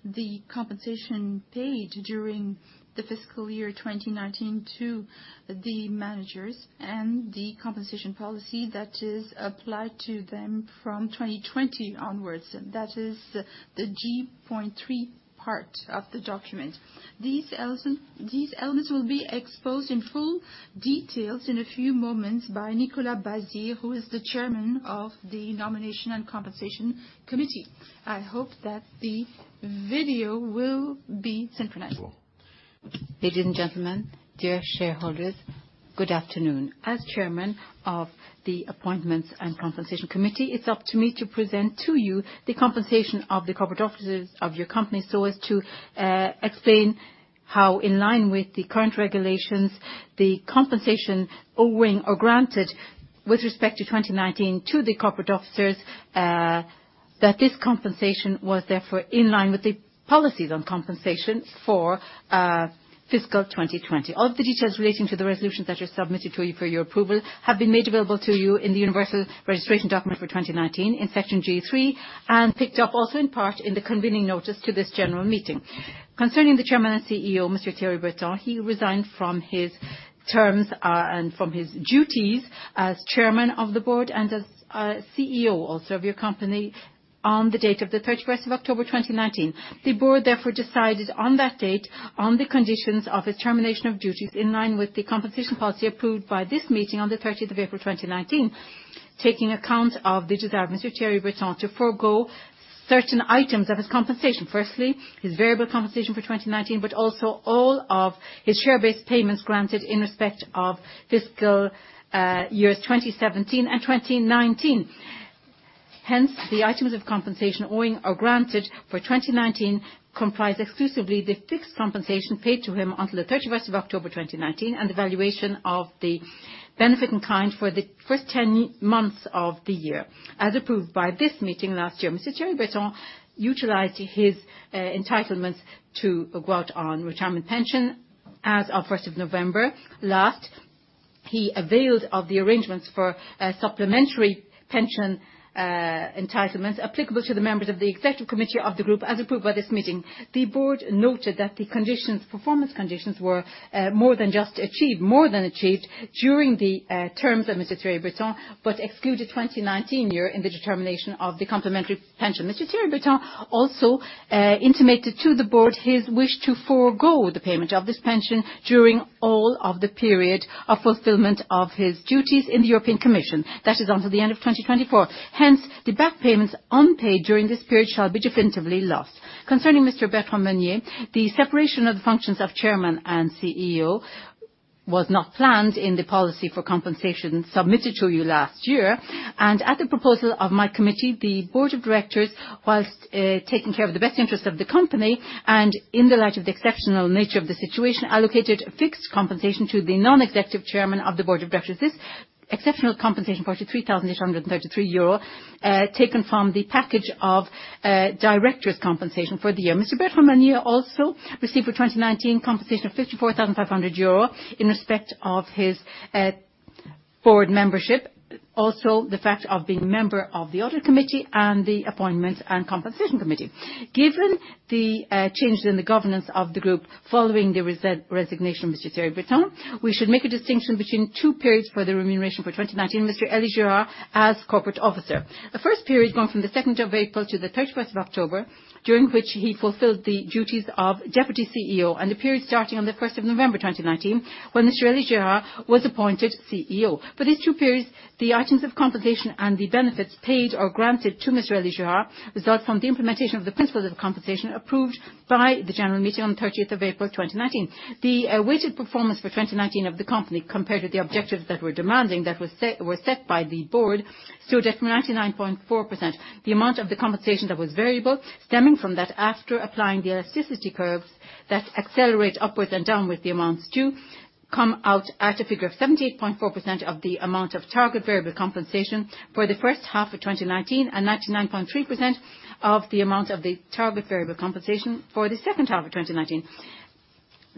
the compensation paid during the fiscal year 2019 to the managers and the compensation policy that is applied to them from 2020 onwards. That is the G point three part of the document. These elements will be exposed in full details in a few moments by Nicolas Bazire, who is the Chairman of the Nomination and Compensation Committee. I hope that the video will be synchronized. Ladies and gentlemen, dear shareholders, good afternoon. As Chairman of the Appointments and Compensation Committee, it's up to me to present to you the compensation of the corporate officers of your company, so as to explain how in line with the current regulations, the compensation owing or granted with respect to twenty nineteen to the corporate officers, that this compensation was therefore in line with the policies on compensations for fiscal twenty twenty. All of the details relating to the resolutions that are submitted to you for your approval have been made available to you in the Universal Registration Document for twenty nineteen, in section G3, and picked up also in part in the convening notice to this general meeting. Concerning the Chairman and CEO, Mr. Thierry Breton, he resigned from his terms, and from his duties as Chairman of the Board and as, CEO also of your company, on the date of the thirty-first of October, 2019. The board therefore, decided on that date, on the conditions of his termination of duties in line with the compensation policy approved by this meeting on the thirteenth of April, 2019, taking account of the desire of Mr. Thierry Breton to forgo certain items of his compensation. Firstly, his variable compensation for 2019, but also all of his share-based payments granted in respect of fiscal, years 2017 and 2019. Hence, the items of compensation owing or granted for twenty nineteen comprise exclusively the fixed compensation paid to him until the thirty-first of October, twenty nineteen, and the valuation of the benefit in kind for the first 10 months of the year, as approved by this meeting last year. Mr. Thierry Breton utilized his entitlements to go out on retirement pension as of first of November. Last, he availed of the arrangements for a supplementary pension entitlements applicable to the members of the executive committee of the group, as approved by this meeting. The board noted that the conditions, performance conditions, were more than just achieved, more than achieved during the terms of Mr. Thierry Breton, but excluded twenty nineteen year in the determination of the complementary pension. Mr. Thierry Breton also intimated to the board his wish to forgo the payment of this pension during all of the period of fulfillment of his duties in the European Commission. That is until the end of twenty twenty-four. Hence, the back payments unpaid during this period shall be definitively lost. Concerning Mr. Bertrand Meunier, the separation of the functions of Chairman and CEO was not planned in the policy for compensation submitted to you last year, and at the proposal of my committee, the board of directors, while taking care of the best interest of the company, and in the light of the exceptional nature of the situation, allocated a fixed compensation to the non-executive Chairman of the board of directors. This exceptional compensation, 43,833 euro, taken from the package of director's compensation for the year. Mr. Bertrand Meunier also received for 2019 compensation of 54,500 euro in respect of his board membership. Also, the fact of being a member of the audit committee and the appointments and compensation committee. Given the changes in the governance of the group following the resignation of Mr. Thierry Breton, we should make a distinction between two periods for the remuneration for 2019, Mr. Elie Girard, as corporate officer. The first period, going from the second of April to the thirty-first of October, during which he fulfilled the duties of Deputy CEO, and the period starting on the first of November, 2019, when Mr. Elie Girard was appointed CEO. For these two periods, the items of compensation and the benefits paid or granted to Mr. Elie Girard result from the implementation of the principles of compensation approved by the general meeting on the thirtieth of April, 2019. The weighted performance for 2019 of the company, compared to the objectives that were demanding, were set by the board, stood at 99.4%. The amount of the compensation that was variable, stemming from that after applying the elasticity curves that accelerate upwards and downwards the amounts to, come out at a figure of 78.4% of the amount of target variable compensation for the first half of 2019, and 99.3% of the amount of the target variable compensation for the second half of 2019.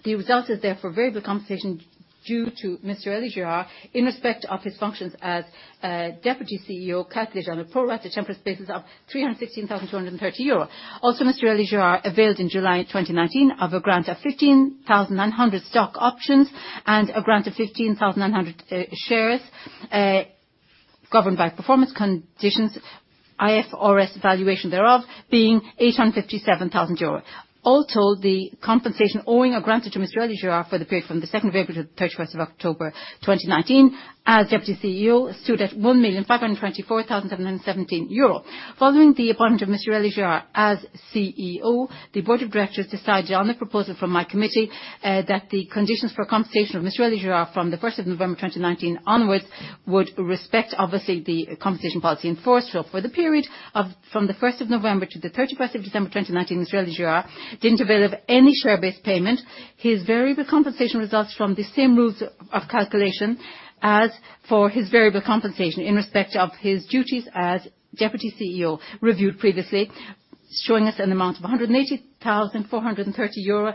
The result is therefore, variable compensation due to Mr. Elie Girard in respect of his functions as Deputy CEO, calculated on a pro rata temporis basis of EUR 316,230. Also, Mr. Elie Girard availed in July 2019 of a grant of 15,900 stock options and a grant of 15,900 shares governed by performance conditions, IFRS valuation thereof being 857,000 euros. All told, the compensation owing or granted to Mr. Elie Girard for the period from the second of April to the thirty-first of October 2019, as Deputy CEO, stood at 1,524,717 euro. Following the appointment of Mr. Elie Girard as CEO, the board of directors decided on the proposal from my committee that the conditions for compensation of Mr. Elie Girard from the first of November, twenty nineteen onwards, would respect, obviously, the compensation policy in force. So for the period of, from the first of November to the thirty-first of December, twenty nineteen, Mr. Elie Girard didn't avail of any share-based payment. His variable compensation results from the same rules of calculation as for his variable compensation in respect of his duties as Deputy CEO, reviewed previously.... showing us an amount of 180,430 euro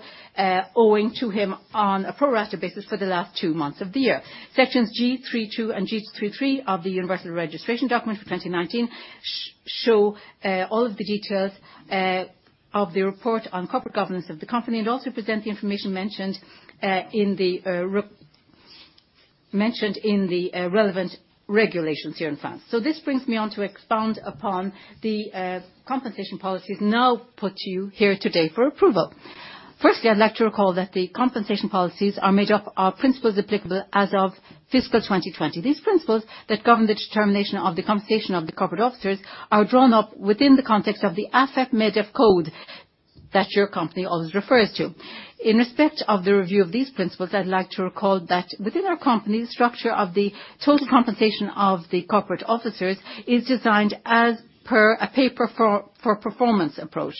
owing to him on a pro rata basis for the last two months of the year. Sections G3.2 and G3.3 of the Universal Registration Document for twenty nineteen show all of the details of the report on corporate governance of the company, and also present the information mentioned in the relevant regulations here in France. This brings me on to expound upon the compensation policies now put to you here today for approval. Firstly, I'd like to recall that the compensation policies are made up of principles applicable as of fiscal 2020. These principles that govern the determination of the compensation of the corporate officers are drawn up within the context of the AFEP-MEDEF code that your company always refers to. In respect of the review of these principles, I'd like to recall that within our company, the structure of the total compensation of the corporate officers is designed as per a pay-for-performance approach.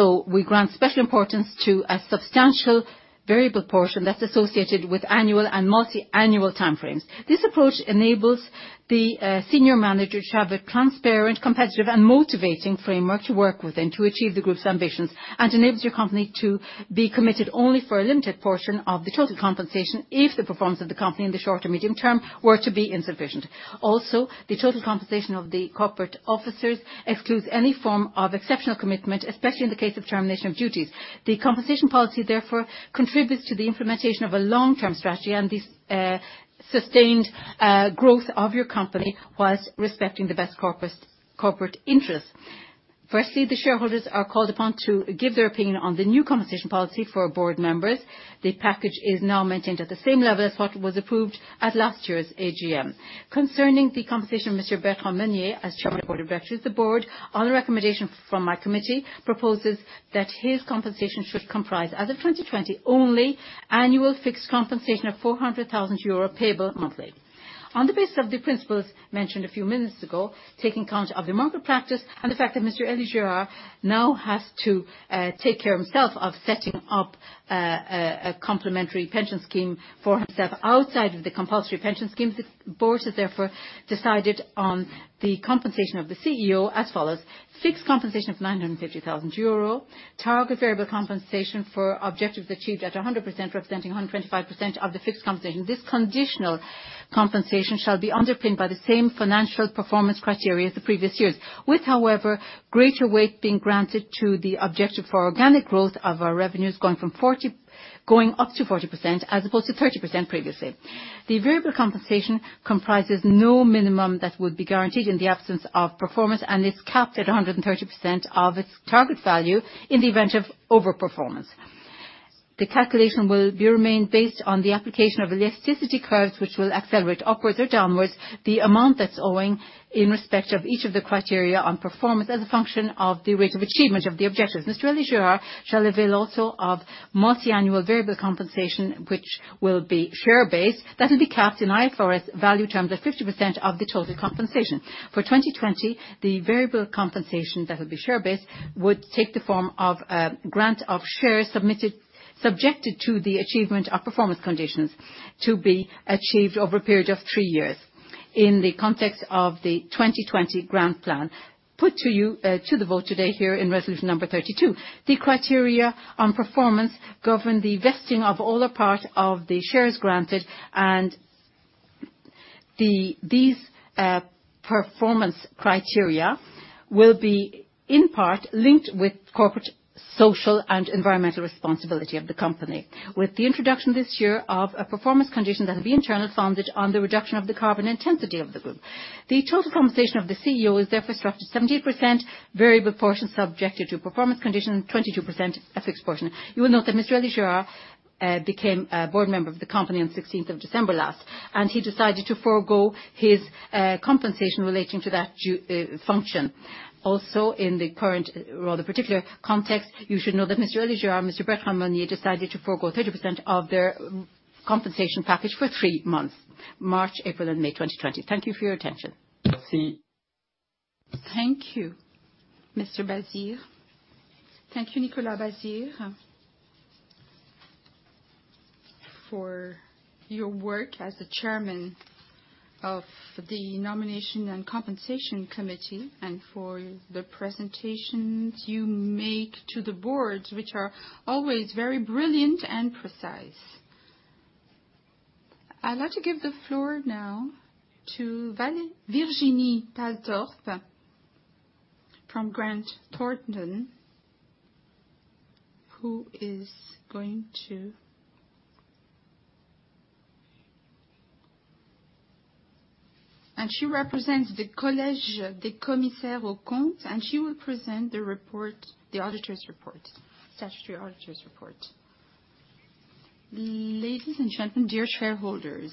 We grant special importance to a substantial variable portion that's associated with annual and multi-annual time frames. This approach enables the senior manager to have a transparent, competitive, and motivating framework to work within to achieve the group's ambitions, and enables your company to be committed only for a limited portion of the total compensation, if the performance of the company in the short or medium term were to be insufficient. Also, the total compensation of the corporate officers excludes any form of exceptional commitment, especially in the case of termination of duties. The compensation policy, therefore, contributes to the implementation of a long-term strategy and this sustained growth of your company whilst respecting the best corporate interest. Firstly, the shareholders are called upon to give their opinion on the new compensation policy for our board members. The package is now maintained at the same level as what was approved at last year's AGM. Concerning the compensation of Monsieur Bertrand Meunier, as chairman of the board of directors, the board, on the recommendation from my committee, proposes that his compensation should comprise, as of 2020, only annual fixed compensation of 400,000 euro, payable monthly. On the basis of the principles mentioned a few minutes ago, taking account of the market practice and the fact that Monsieur Elie Girard now has to take care himself of setting up a complementary pension scheme for himself outside of the compulsory pension scheme. The board has therefore decided on the compensation of the CEO as follows: fixed compensation of 950,000 euro, target variable compensation for objectives achieved at 100%, representing 125% of the fixed compensation. This conditional compensation shall be underpinned by the same financial performance criteria as the previous years, with, however, greater weight being granted to the objective for organic growth of our revenues, going up to 40% as opposed to 30% previously. The variable compensation comprises no minimum that would be guaranteed in the absence of performance, and it's capped at 130% of its target value in the event of overperformance. The calculation will be remained based on the application of elasticity curves, which will accelerate upwards or downwards the amount that's owing in respect of each of the criteria on performance as a function of the rate of achievement of the objectives. Mr. Elie Girard shall avail also of multi-annual variable compensation, which will be share-based, that will be capped in IFRS value terms at 50% of the total compensation. For 2020, the variable compensation that will be share-based would take the form of grant of shares subjected to the achievement of performance conditions to be achieved over a period of three years in the context of the 2020 grant plan, put to you to the vote today here in resolution number 32. The criteria on performance govern the vesting of all or part of the shares granted, and these performance criteria will be in part linked with corporate, social, and environmental responsibility of the company, with the introduction this year of a performance condition that will be internally founded on the reduction of the carbon intensity of the group. The total compensation of the CEO is therefore structured 17% variable portion subjected to performance condition, and 22% a fixed portion. You will note that Mr. Elie Girard became a board member of the company on sixteenth of December last, and he decided to forgo his compensation relating to that function. Also, in the current or the particular context, you should know that Mr. Elie Girard and Mr. Bertrand Meunier decided to forgo 30% of their compensation package for three months, March, April, and May 2020. Thank you for your attention. Merci. Thank you, Mr. Bazire. Thank you, Nicolas Bazire, for your work as the Chairman of the Nomination and Compensation Committee, and for the presentations you make to the Board, which are always very brilliant and precise. I'd like to give the floor now to Virginie Palethorpe from Grant Thornton, who is going to... And she represents the Collège des commissaires aux comptes, and she will present the report, the auditor's report, statutory auditor's report. Ladies and gentlemen, dear shareholders,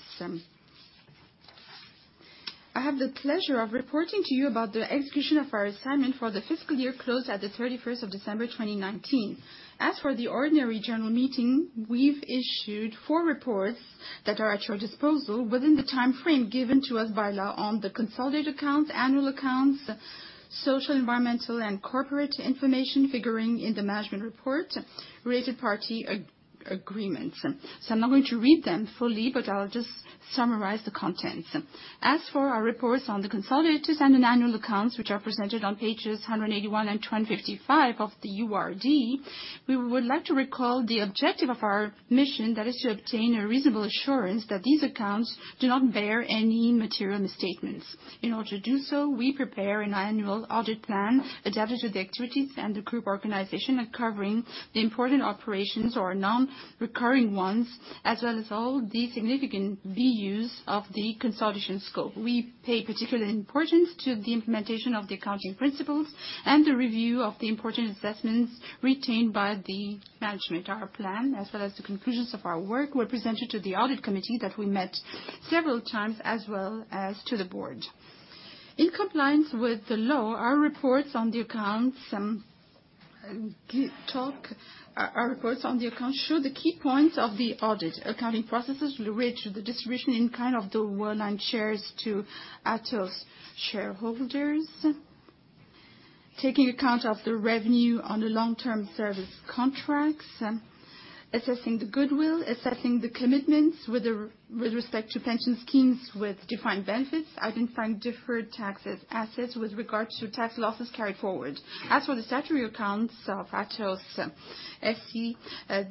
I have the pleasure of reporting to you about the execution of our assignment for the fiscal year closed at the thirty-first of December 2019. As for the ordinary general meeting, we've issued four reports that are at your disposal within the timeframe given to us by law on the consolidated accounts, annual accounts-... social, environmental, and corporate information figuring in the management report, related party agreements. So I'm not going to read them fully, but I'll just summarize the contents. As for our reports on the consolidated and the annual accounts, which are presented on pages 181 and 255 of the URD, we would like to recall the objective of our mission, that is to obtain a reasonable assurance that these accounts do not bear any material misstatements. In order to do so, we prepare an annual audit plan adapted to the activities and the group organization, and covering the important operations or non-recurring ones, as well as all the significant views of the consolidation scope. We pay particular importance to the implementation of the accounting principles and the review of the important assessments retained by the management. Our plan, as well as the conclusions of our work, were presented to the audit committee that we met several times, as well as to the board. In compliance with the law, our reports on the accounts show the key points of the audit. Accounting processes related to the distribution in kind of the Worldline shares to Atos shareholders, taking account of the revenue on the long-term service contracts, assessing the goodwill, assessing the commitments with respect to pension schemes with defined benefits, identifying deferred tax assets with regard to tax losses carried forward. As for the statutory accounts of Atos SE,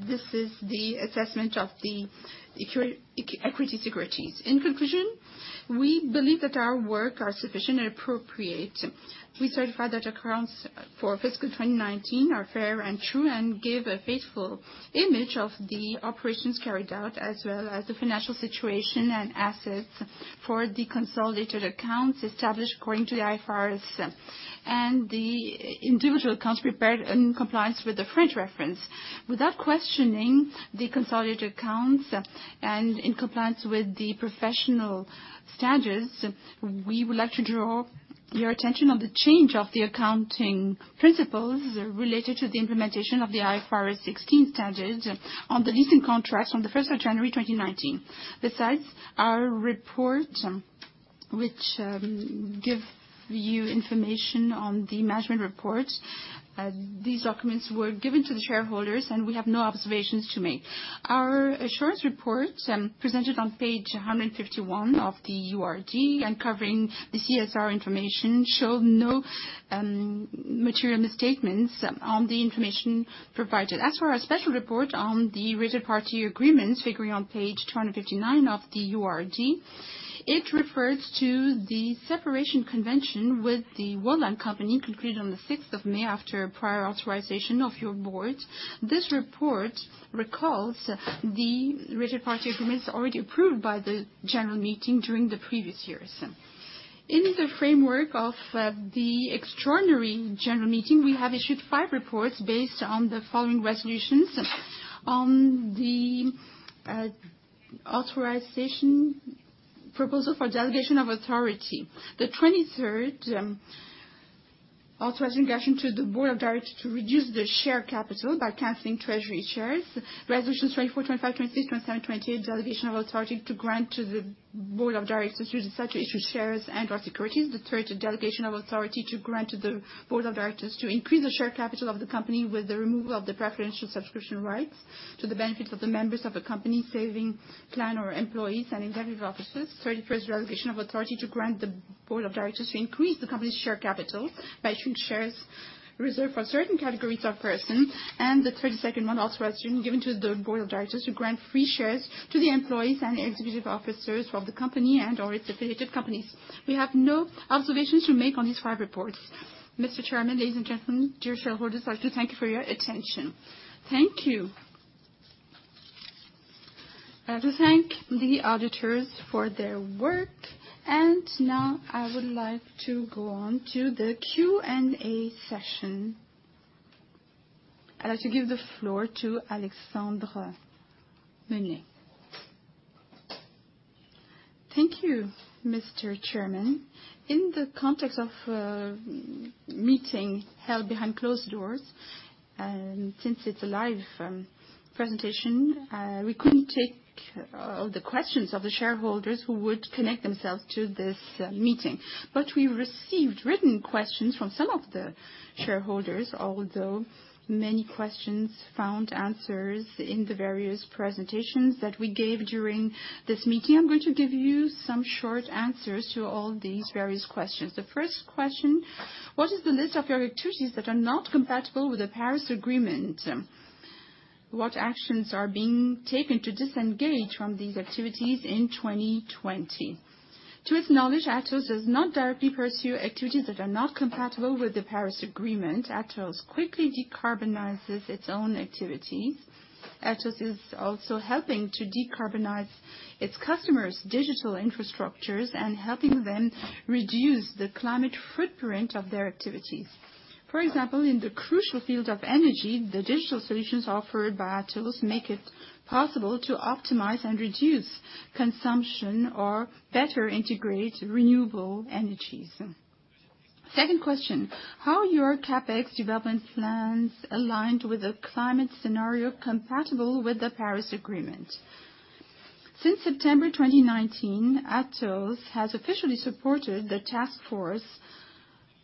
this is the assessment of the equity securities. In conclusion, we believe that our work are sufficient and appropriate. We certify that accounts for fiscal twenty nineteen are fair and true, and give a faithful image of the operations carried out, as well as the financial situation and assets for the consolidated accounts established according to the IFRS, and the individual accounts prepared in compliance with the French reference. Without questioning the consolidated accounts, and in compliance with the professional standards, we would like to draw your attention on the change of the accounting principles related to the implementation of the IFRS 16 standards on the leasing contracts on the first of January, twenty nineteen. Besides, our report, which give you information on the management report, these documents were given to the shareholders, and we have no observations to make. Our assurance report, presented on page one hundred and fifty-one of the URD, and covering the CSR information, showed no material misstatements on the information provided. As for our special report on the related party agreements, figuring on page two hundred and fifty-nine of the URD, it refers to the separation convention with the Worldline company, concluded on the sixth of May, after prior authorization of your board. This report recalls the related party agreements already approved by the general meeting during the previous years. In the framework of the extraordinary general meeting, we have issued five reports based on the following resolutions. On the authorization proposal for delegation of authority. The twenty-third authorization given to the Board of Directors to reduce the share capital by canceling treasury shares. Resolutions twenty-four, twenty-five, twenty-six, twenty-seven, twenty-eight, delegation of authority granted to the Board of Directors to issue such issued shares and/or securities. The thirtieth, a delegation of authority granted to the Board of Directors to increase the share capital of the Company with the removal of the preferential subscription rights to the benefit of the members of the Company savings plan or employees and executive officers. Thirty-first, delegation of authority granted to the Board of Directors to increase the Company's share capital by issuing shares reserved for certain categories of persons. And the thirty-second one, authorization given to the Board of Directors to grant free shares to the employees and executive officers of the Company and/or its affiliated companies. We have no observations to make on these five reports. Mr. Chairman, ladies and gentlemen, dear shareholders, I'd like to thank you for your attention. Thank you. I would like to thank the auditors for their work, and now I would like to go on to the Q&A session. I'd like to give the floor to Alexandre Menais. Thank you, Mr. Chairman. In the context of a meeting held behind closed doors, since it's a live presentation, we couldn't take all the questions of the shareholders who would connect themselves to this meeting. But we received written questions from some of the shareholders, although many questions found answers in the various presentations that we gave during this meeting. I'm going to give you some short answers to all these various questions. The first question: What is the list of your activities that are not compatible with the Paris Agreement? What actions are being taken to disengage from these activities in twenty twenty? To its knowledge, Atos does not directly pursue activities that are not compatible with the Paris Agreement. Atos quickly decarbonizes its own activities. Atos is also helping to decarbonize its customers' digital infrastructures and helping them reduce the climate footprint of their activities. For example, in the crucial field of energy, the digital solutions offered by Atos make it possible to optimize and reduce consumption or better integrate renewable energies. Second question: How are your CapEx development plans aligned with a climate scenario compatible with the Paris Agreement? Since September twenty nineteen, Atos has officially supported the task force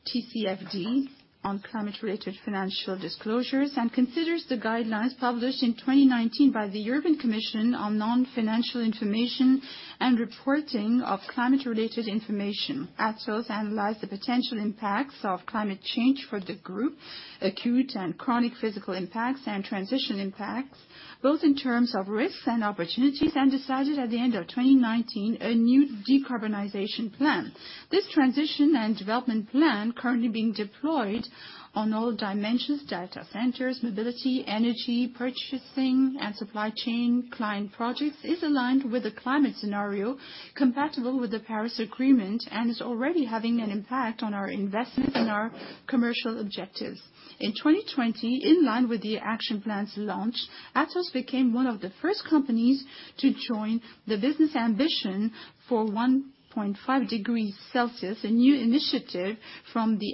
TCFD on climate-related financial disclosures, and considers the guidelines published in twenty nineteen by the European Commission on non-financial information and reporting of climate-related information. Atos analyzed the potential impacts of climate change for the group, acute and chronic physical impacts and transition impacts, both in terms of risks and opportunities, and decided at the end of twenty nineteen, a new decarbonization plan. This transition and development plan, currently being deployed on all dimensions, data centers, mobility, energy, purchasing and supply chain, client projects, is aligned with the climate scenario compatible with the Paris Agreement, and is already having an impact on our investments and our commercial objectives. In twenty twenty, in line with the action plan's launch, Atos became one of the first companies to join the Business Ambition for 1.5 Degrees Celsius, a new initiative from the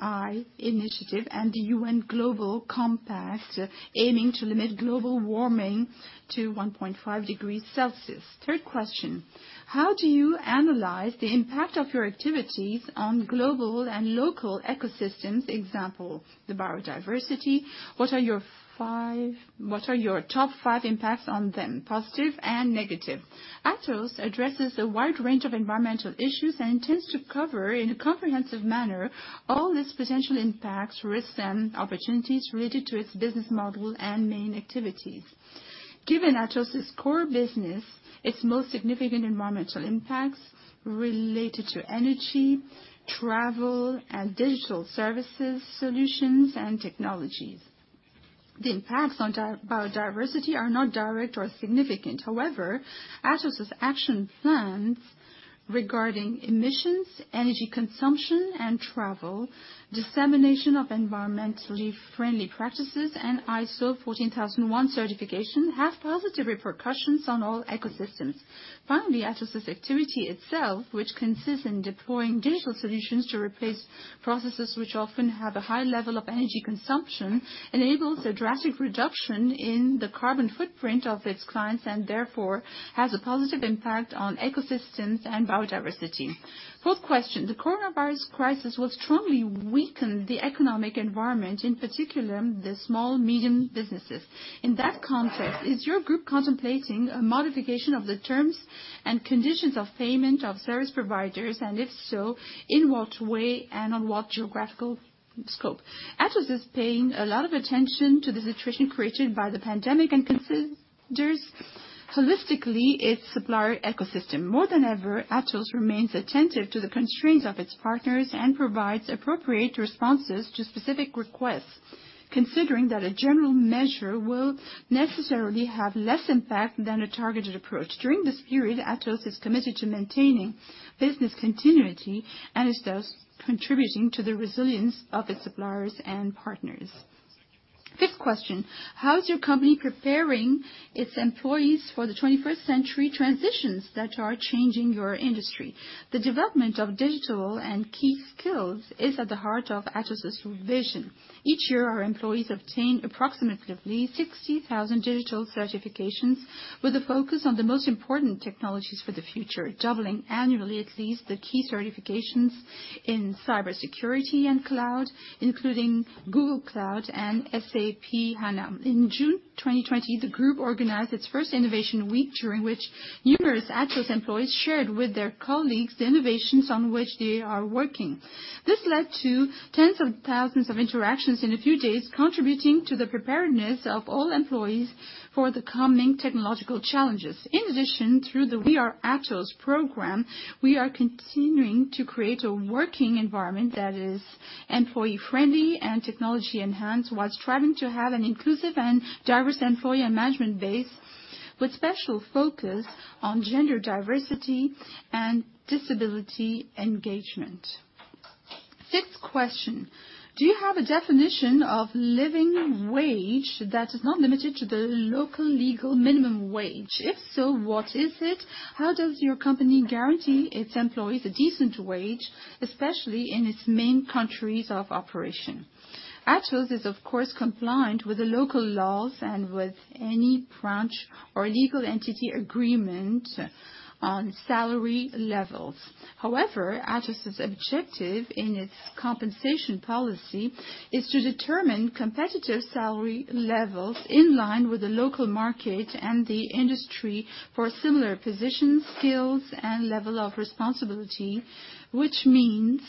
SBTI Initiative and the UN Global Compact, aiming to limit global warming to one point five degrees Celsius. Third question: How do you analyze the impact of your activities on global and local ecosystems, for example, the biodiversity? What are your five- what are your top five impacts on them, positive and negative? Atos addresses a wide range of environmental issues and intends to cover, in a comprehensive manner, all its potential impacts, risks, and opportunities related to its business model and main activities. Given Atos's core business, its most significant environmental impacts related to energy, travel, and digital services, solutions, and technologies. The impacts on biodiversity are not direct or significant. However, Atos's action plans regarding emissions, energy consumption, and travel, dissemination of environmentally friendly practices, and ISO 14001 certification, have positive repercussions on all ecosystems. Finally, Atos's activity itself, which consists in deploying digital solutions to replace processes which often have a high level of energy consumption, enables a drastic reduction in the carbon footprint of its clients, and therefore has a positive impact on ecosystems and biodiversity. Fourth question: The coronavirus crisis will strongly weaken the economic environment, in particular, the small medium businesses. In that context, is your group contemplating a modification of the terms and conditions of payment of service providers, and if so, in what way and on what geographical scope? Atos is paying a lot of attention to the situation created by the pandemic, and considers holistically its supplier ecosystem. More than ever, Atos remains attentive to the constraints of its partners and provides appropriate responses to specific requests, considering that a general measure will necessarily have less impact than a targeted approach. During this period, Atos is committed to maintaining business continuity, and is thus contributing to the resilience of its suppliers and partners. Fifth question: How is your company preparing its employees for the twenty-first century transitions that are changing your industry? The development of digital and key skills is at the heart of Atos's vision. Each year, our employees obtain approximately 60,000 digital certifications, with a focus on the most important technologies for the future, doubling annually at least the key certifications in cybersecurity and cloud, including Google Cloud and SAP HANA. In June 2020, the group organized its first innovation week, during which numerous Atos employees shared with their colleagues the innovations on which they are working. This led to tens of thousands of interactions in a few days, contributing to the preparedness of all employees for the coming technological challenges. In addition, through the We Are Atos program, we are continuing to create a working environment that is employee-friendly and technology-enhanced, while striving to have an inclusive and diverse employee and management base, with special focus on gender diversity and disability engagement. Sixth question: Do you have a definition of living wage that is not limited to the local legal minimum wage? If so, what is it? How does your company guarantee its employees a decent wage, especially in its main countries of operation? Atos is, of course, compliant with the local laws and with any branch or legal entity agreement on salary levels. However, Atos's objective in its compensation policy is to determine competitive salary levels in line with the local market and the industry for similar positions, skills, and level of responsibility, which means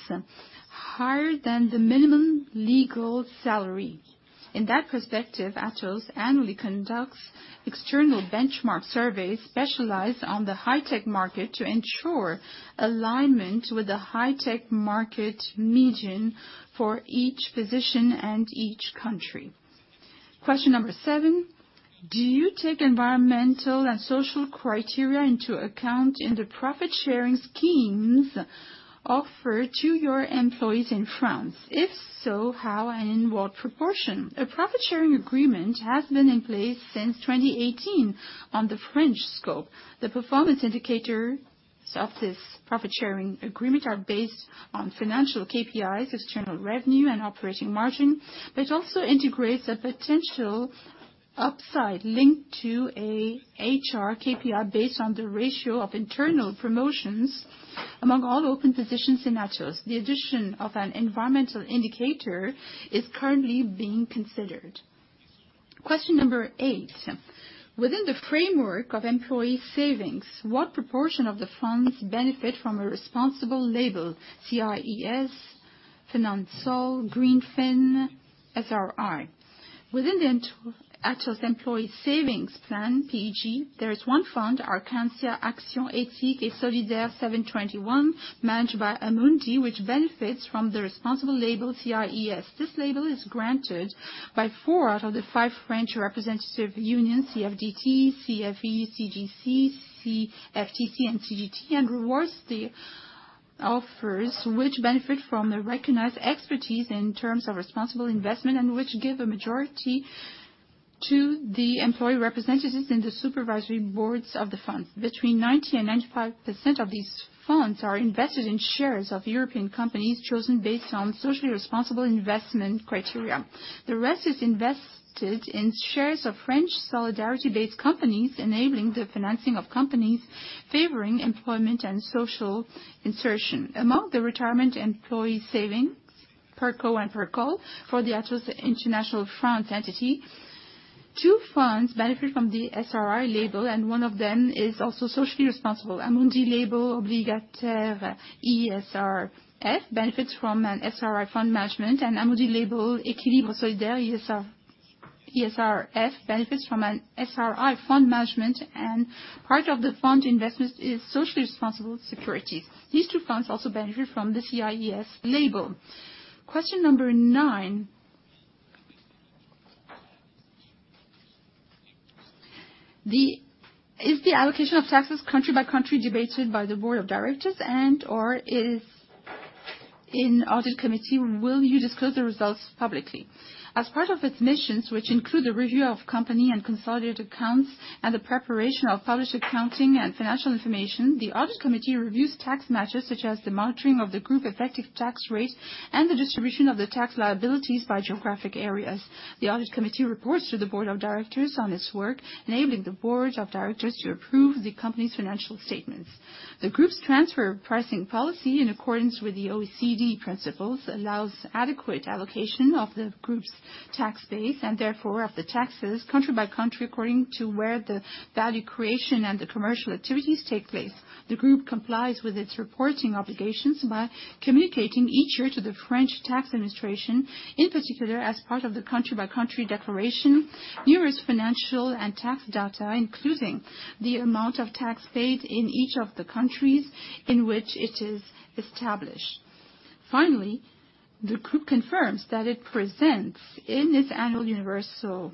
higher than the minimum legal salary. In that perspective, Atos annually conducts external benchmark surveys specialized on the high tech market, to ensure alignment with the high tech market median for each position and each country. Question number seven: Do you take environmental and social criteria into account in the profit-sharing schemes offered to your employees in France? If so, how and in what proportion? A profit-sharing agreement has been in place since 2018 on the French scope. The performance indicator... So of this profit-sharing agreement are based on financial KPIs, external revenue, and operating margin, but it also integrates a potential upside link to a HR KPI based on the ratio of internal promotions among all open positions in Atos. The addition of an environmental indicator is currently being considered. Question number eight, within the framework of employee savings, what proportion of the funds benefit from a responsible label, CIES, Finansol, Greenfin, SRI? Within the Atos employee savings plan, PEG, there is one fund, Arcancia Action Ethique et Solidaire seven twenty-one, managed by Amundi, which benefits from the responsible label, CIES. This label is granted by four out of the five French representative unions, CFDT, CFE-CGC, CFTC, and CGT, and rewards the offers which benefit from the recognized expertise in terms of responsible investment, and which give a majority to the employee representatives in the supervisory boards of the fund. Between 90% and 95% of these funds are invested in shares of European companies, chosen based on socially responsible investment criteria. The rest is invested in shares of French solidarity-based companies, enabling the financing of companies favoring employment and social insertion. Among the retirement employee savings, PERCO and PERCOL, for the Atos International France entity, two funds benefit from the SRI label, and one of them is also socially responsible. Amundi Label Obligataire ESR benefits from an SRI fund management, and Amundi Label Équilibre Solidaire ESR benefits from an SRI fund management, and part of the fund investments is socially responsible securities. These two funds also benefit from the CIES label. Question number nine. Is the allocation of taxes country by country debated by the board of directors, and or is in audit committee, will you disclose the results publicly? As part of its missions, which include the review of company and consolidated accounts, and the preparation of published accounting and financial information, the audit committee reviews tax matters, such as the monitoring of the group effective tax rate and the distribution of the tax liabilities by geographic areas. The audit committee reports to the board of directors on its work, enabling the board of directors to approve the company's financial statements. The group's transfer pricing policy, in accordance with the OECD principles, allows adequate allocation of the group's tax base, and therefore of the taxes, country by country, according to where the value creation and the commercial activities take place. The group complies with its reporting obligations by communicating each year to the French tax administration, in particular, as part of the country by country declaration, numerous financial and tax data, including the amount of tax paid in each of the countries in which it is established. Finally, the group confirms that it presents, in its annual Universal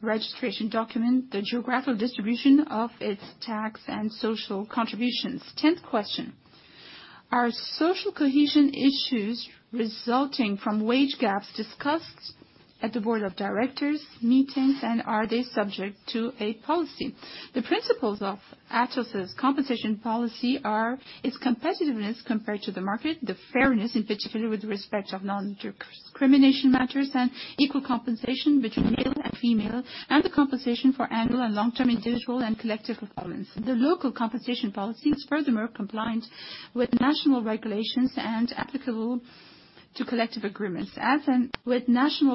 Registration Document, the geographical distribution of its tax and social contributions. Tenth question: Are social cohesion issues resulting from wage gaps discussed at the board of directors meetings, and are they subject to a policy? The principles of Atos's compensation policy are its competitiveness compared to the market, the fairness, in particular with respect to non-discrimination matters, and equal compensation between male and female, and the compensation for annual and long-term individual and collective performance. The local compensation policy is furthermore compliant with national regulations and applicable to collective agreements. As an Atos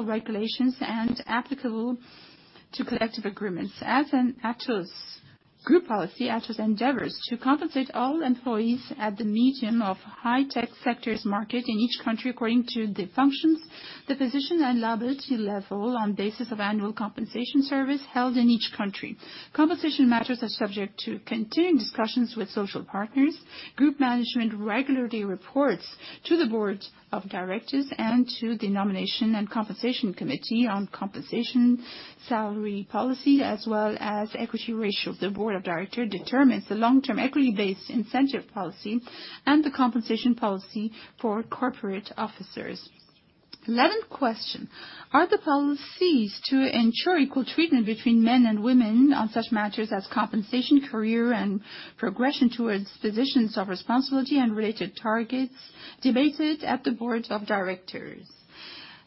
group policy, Atos endeavors to compensate all employees at the median of high-tech sectors market in each country, according to the functions, the position and liability level on basis of annual compensation service held in each country. Compensation matters are subject to continuing discussions with social partners. Group management regularly reports to the board of directors and to the nomination and compensation committee on compensation, salary policy, as well as equity ratio. The Board of Directors determines the long-term equity-based incentive policy and the compensation policy for corporate officers. Eleventh question: Are the policies to ensure equal treatment between men and women on such matters as compensation, career, and progression towards positions of responsibility and related targets debated at the Board of Directors?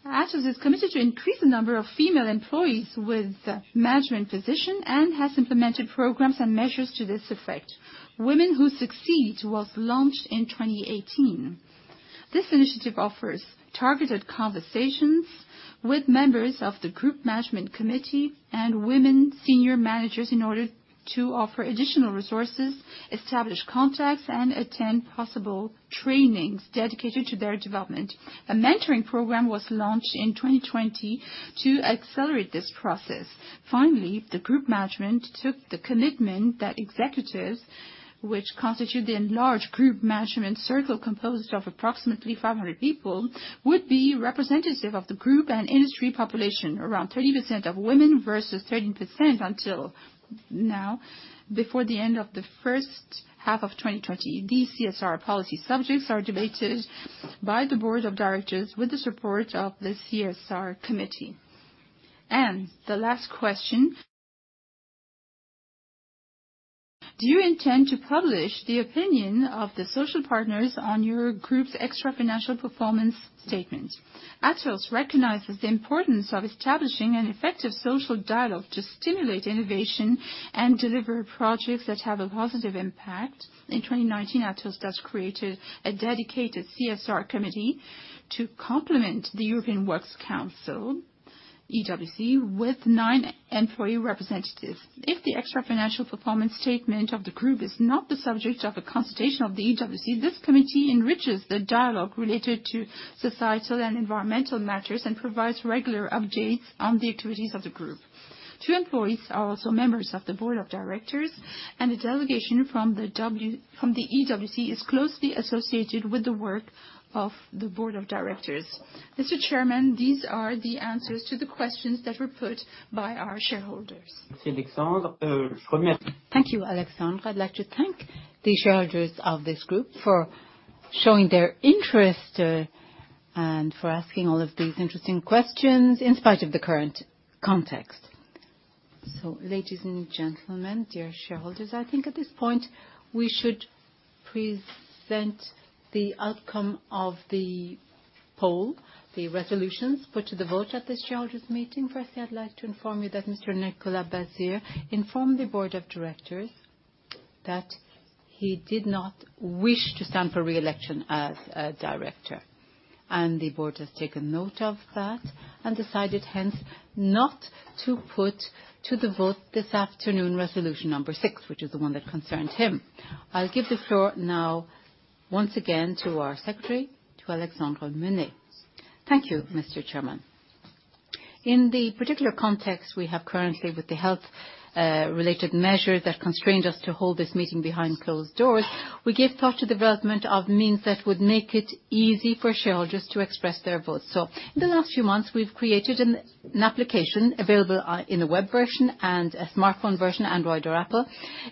Atos is committed to increase the number of female employees with management position and has implemented programs and measures to this effect. Women Who Succeed was launched in 2018. This initiative offers targeted conversations with members of the Group Management Committee and women senior managers in order to offer additional resources, establish contacts, and attend possible trainings dedicated to their development. A mentoring program was launched in 2020 to accelerate this process. Finally, the group management took the commitment that executives, which constitute the enlarged group management circle, composed of approximately 500 people, would be representative of the group and industry population, around 30% of women versus 13% until now, before the end of the first half of 2020. These CSR policy subjects are debated by the board of directors with the support of the CSR committee.... And the last question: Do you intend to publish the opinion of the social partners on your group's extra financial performance statement? Atos recognizes the importance of establishing an effective social dialogue to stimulate innovation and deliver projects that have a positive impact. In 2019, Atos thus created a dedicated CSR committee to complement the European Works Council, EWC, with nine employee representatives. If the extra financial performance statement of the group is not the subject of a consultation of the EWC, this committee enriches the dialogue related to societal and environmental matters, and provides regular updates on the activities of the group. Two employees are also members of the board of directors, and a delegation from the EWC is closely associated with the work of the board of directors. Mr. Chairman, these are the answers to the questions that were put by our shareholders. Thank you, Alexandre. I'd like to thank the shareholders of this group for showing their interest, and for asking all of these interesting questions in spite of the current context. So ladies and gentlemen, dear shareholders, I think at this point, we should present the outcome of the poll, the resolutions put to the vote at this shareholders meeting. Firstly, I'd like to inform you that Mr. Nicolas Bazire informed the board of directors that he did not wish to stand for re-election as a director, and the board has taken note of that and decided, hence, not to put to the vote this afternoon resolution number six, which is the one that concerns him. I'll give the floor now, once again, to our secretary, to Alexandre Menais. Thank you, Mr. Chairman.In the particular context we have currently with the health-related measures that constrained us to hold this meeting behind closed doors, we gave thought to development of means that would make it easy for shareholders to express their votes. So in the last few months, we've created an application available in a web version and a smartphone version, Android or Apple,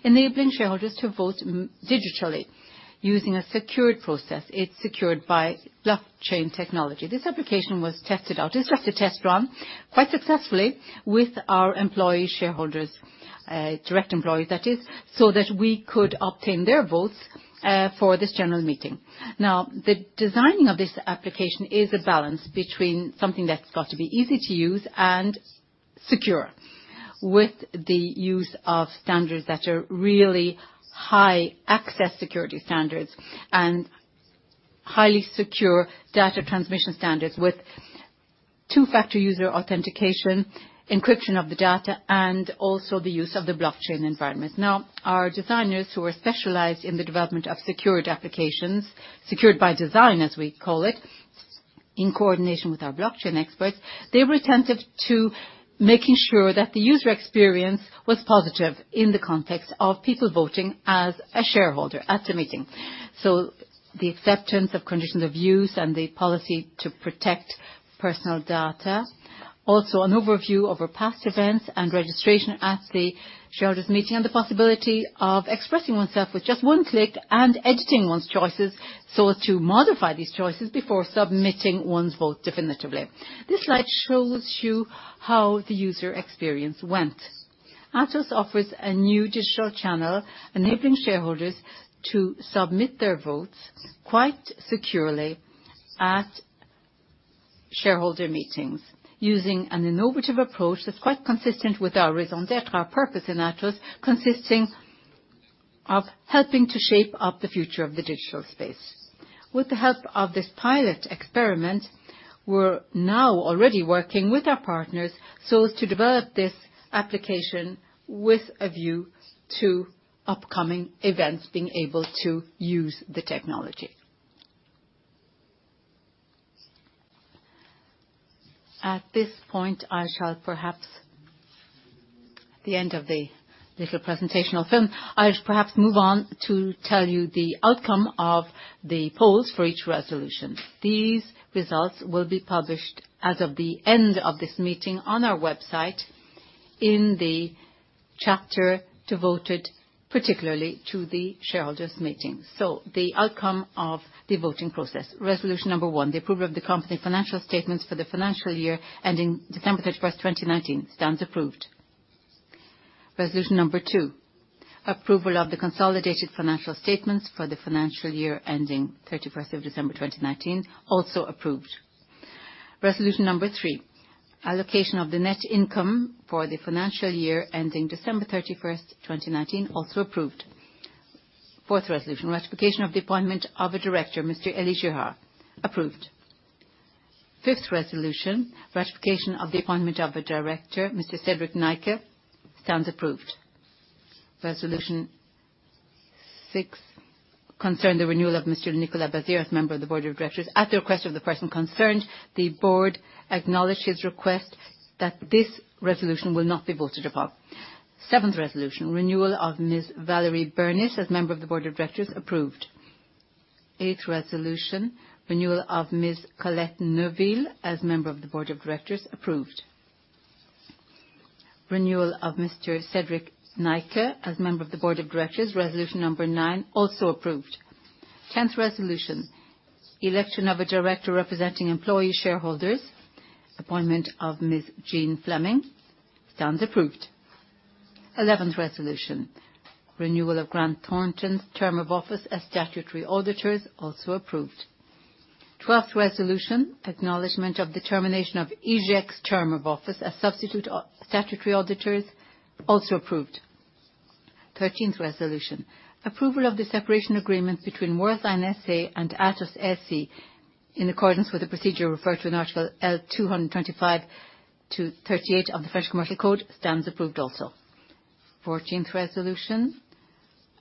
enabling shareholders to vote digitally using a secured process. It's secured by blockchain technology. This application was tested out. It's just a test run, quite successfully with our employee shareholders, direct employees that is, so that we could obtain their votes for this general meeting. Now, the designing of this application is a balance between something that's got to be easy to use and secure, with the use of standards that are really high access security standards and highly secure data transmission standards with two-factor user authentication, encryption of the data, and also the use of the blockchain environment. Now, our designers, who are specialized in the development of secured applications, secured by design, as we call it, in coordination with our blockchain experts, they were attentive to making sure that the user experience was positive in the context of people voting as a shareholder at a meeting, so the acceptance of conditions of use and the policy to protect personal data. Also, an overview over past events and registration at the shareholders meeting, and the possibility of expressing oneself with just one click and editing one's choices, so as to modify these choices before submitting one's vote definitively. This slide shows you how the user experience went. Atos offers a new digital channel, enabling shareholders to submit their votes quite securely at shareholder meetings, using an innovative approach that's quite consistent with our raison d'être, our purpose in Atos, consisting of helping to shape up the future of the digital space. With the help of this pilot experiment, we're now already working with our partners so as to develop this application with a view to upcoming events being able to use the technology. At this point, I shall perhaps... The end of the little presentational film. I'll perhaps move on to tell you the outcome of the polls for each resolution. These results will be published as of the end of this meeting on our website in the chapter devoted particularly to the shareholders' meeting. So the outcome of the voting process. Resolution number one, the approval of the company financial statements for the financial year ending December 31, 2019, stands approved. Resolution number two, approval of the consolidated financial statements for the financial year ending December 31, 2019, also approved. Resolution number three, allocation of the net income for the financial year ending December 31, 2019, also approved. Fourth resolution, ratification of the appointment of a director, Mr. Elie Girard, approved. Fifth resolution, ratification of the appointment of a director, Mr. Cédric Neike, stands approved. Resolution six concerned the renewal of Mr. Nicolas Bazire as member of the board of directors. At the request of the person concerned, the board acknowledged his request that this resolution will not be voted upon. Seventh resolution, renewal of Ms. Valérie Bernis as member of the board of directors, approved. Eighth resolution, renewal of Ms. Colette Neuville as member of the board of directors, approved. Renewal of Mr. Cédric Neike as member of the board of directors. Resolution number nine, also approved. Tenth resolution, election of a director representing employee shareholders. Appointment of Ms. Jean Fleming, stands approved. Eleventh resolution, renewal of Grant Thornton's term of office as statutory auditors, also approved. Twelfth resolution, acknowledgement of the termination of IGEC term of office as substitute statutory auditors, also approved. Thirteenth resolution, approval of the separation agreement between Worldline SA and Atos SA, in accordance with the procedure referred to in Article L. 225-38 of the French Commercial Code, stands approved also. Fourteenth resolution,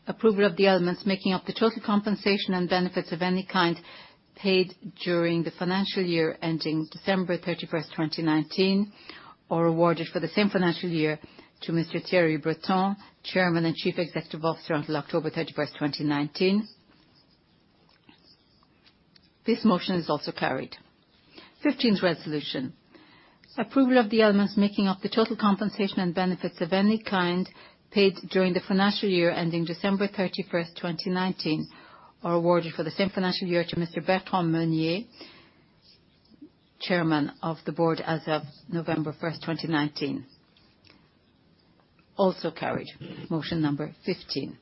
approval of the elements making up the total compensation and benefits of any kind paid during the financial year, ending December thirty-first, twenty-nineteen, or awarded for the same financial year to Mr. Thierry Breton, Chairman and Chief Executive Officer until October thirty-first, twenty-nineteen. This motion is also carried. Fifteenth resolution, approval of the elements making up the total compensation and benefits of any kind paid during the financial year, ending December thirty-first, twenty-nineteen, are awarded for the same financial year to Mr. Bertrand Meunier, Chairman of the Board as of November first, twenty-nineteen. Also carried, motion number fifteen.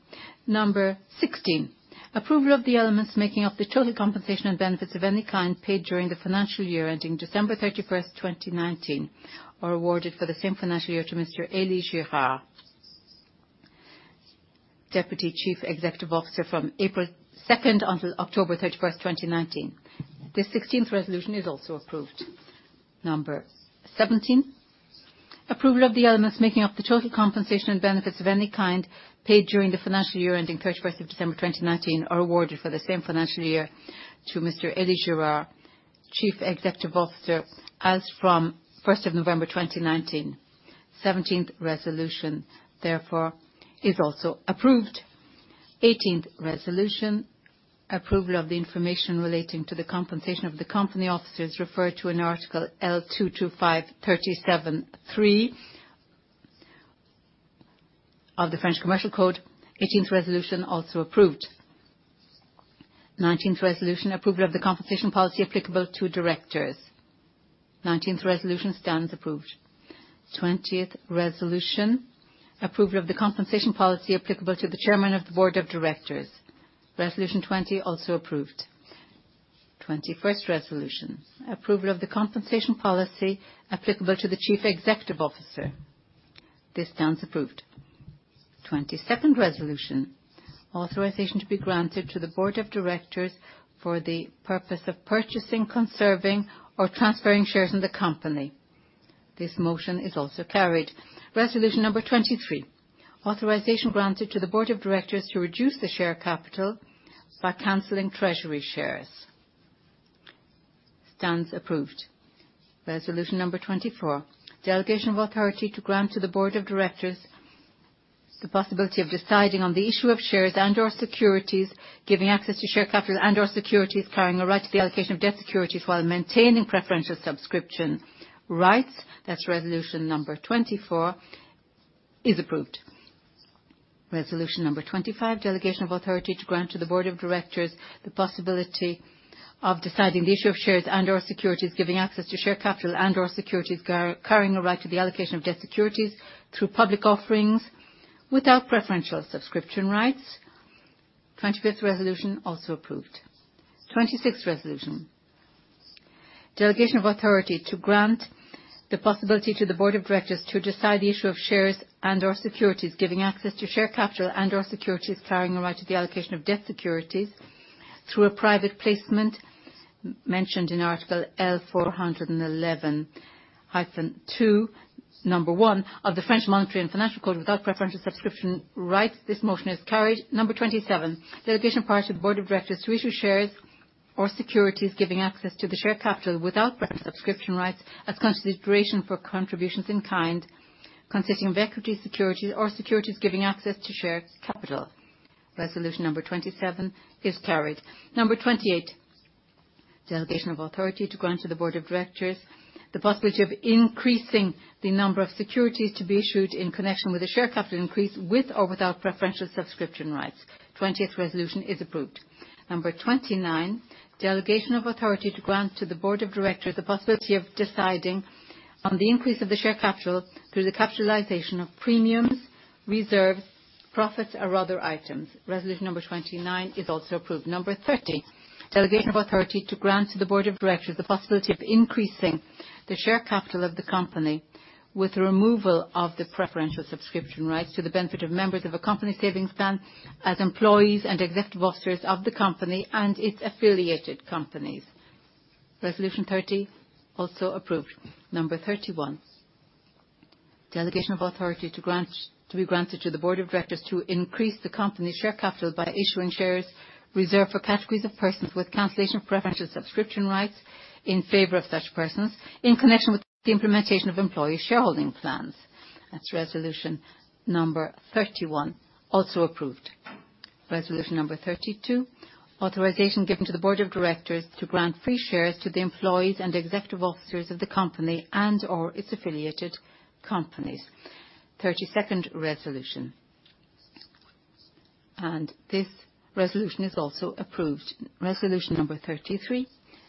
Number sixteen, approval of the elements making up the total compensation and benefits of any kind paid during the financial year, ending December thirty-first, twenty-nineteen, are awarded for the same financial year to Mr. Elie Girard, Deputy Chief Executive Officer from April second until October thirty-first, twenty-nineteen. This sixteenth resolution is also approved. Number seventeen, approval of the elements making up the total compensation and benefits of any kind paid during the financial year, ending thirty-first of December, twenty-nineteen, are awarded for the same financial year to Mr. Elie Girard, Chief Executive Officer, as from first of November, twenty-nineteen. Seventeenth resolution, therefore, is also approved. Eighteenth resolution, approval of the information relating to the compensation of the company officers referred to in article Article L. 225-37-3 of the French Commercial Code. Eighteenth resolution, also approved. Nineteenth resolution, approval of the compensation policy applicable to directors. Nineteenth resolution stands approved. Twentieth resolution, approval of the compensation policy applicable to the chairman of the board of directors. Resolution twenty, also approved. Twenty-first resolution, approval of the compensation policy applicable to the chief executive officer. This stands approved. Twenty-second resolution, authorization to be granted to the board of directors for the purpose of purchasing, conserving, or transferring shares in the company. This motion is also carried. Resolution number twenty-three, authorization granted to the board of directors to reduce the share capital by canceling treasury shares. Stands approved. Resolution number twenty-four, delegation of authority to grant to the board of directors the possibility of deciding on the issue of shares and/or securities, giving access to share capital and/or securities, carrying a right to the allocation of debt securities while maintaining preferential subscription rights. That's resolution number twenty-four, is approved. Resolution number twenty-five, delegation of authority to grant to the board of directors the possibility of deciding the issue of shares and/or securities, giving access to share capital and/or securities carrying a right to the allocation of debt securities through public offerings without preferential subscription rights. Twenty-fifth resolution, also approved. Twenty-sixth resolution, delegation of authority to grant the possibility to the board of directors to decide the issue of shares and/or securities, giving access to share capital and/or securities, carrying a right to the allocation of debt securities through a private placement mentioned in Article L. 411-2, number 1 of the French Monetary and Financial Code without preferential subscription rights. This motion is carried. Number twenty-seven, delegation power to the board of directors to issue shares or securities, giving access to the share capital without preferential subscription rights as consideration for contributions in kind, consisting of equity securities or securities giving access to share capital. Resolution number twenty-seven is carried. Number twenty-eight, delegation of authority to grant to the board of directors the possibility of increasing the number of securities to be issued in connection with a share capital increase, with or without preferential subscription rights. Twenty-eighth resolution is approved. Number twenty-nine, delegation of authority to grant to the board of directors the possibility of deciding on the increase of the share capital through the capitalization of premiums, reserves, profits or other items. Resolution number twenty-nine is also approved. Number thirty, delegation of authority to grant to the board of directors the possibility of increasing the share capital of the company with removal of the preferential subscription rights to the benefit of members of a company savings plan, as employees and executive officers of the company and its affiliated companies. Resolution thirty, also approved. Number thirty-one, delegation of authority to be granted to the board of directors to increase the company's share capital by issuing shares reserved for categories of persons with cancellation of preferential subscription rights in favor of such persons, in connection with the implementation of employee shareholding plans. That's resolution number thirty-one, also approved. Resolution number thirty-two, authorization given to the board of directors to grant free shares to the employees and or its affiliated companies. Thirty-second resolution, and this resolution is also approved. Resolution number thirty-three,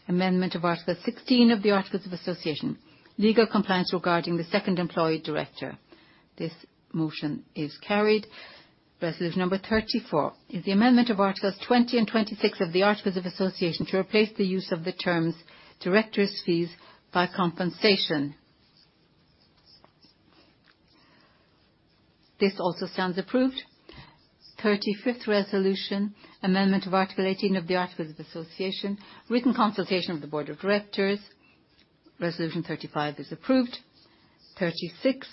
amendment of Article sixteen of the Articles of Association. Legal compliance regarding the second employee director. This motion is carried. Resolution number thirty-four is the amendment of Articles twenty and twenty-six of the Articles of Association to replace the use of the terms directors fees by compensation. This also stands approved. Thirty-fifth resolution, amendment of Article eighteen of the Articles of Association. Written consultation of the board of directors. Resolution thirty-five is approved. Thirty-six,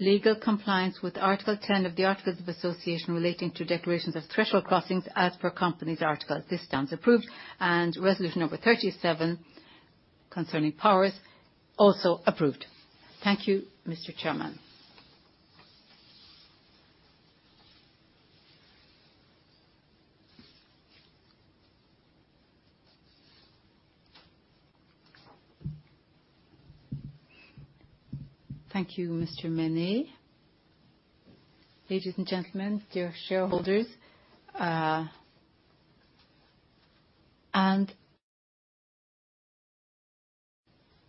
legal compliance with Article ten of the Articles of Association relating to declarations of threshold crossings as per company's article. This stands approved, and resolution number thirty-seven, concerning powers, also approved. Thank you, Mr. Chairman. Thank you, Mr. Menais. Ladies and gentlemen, dear shareholders, and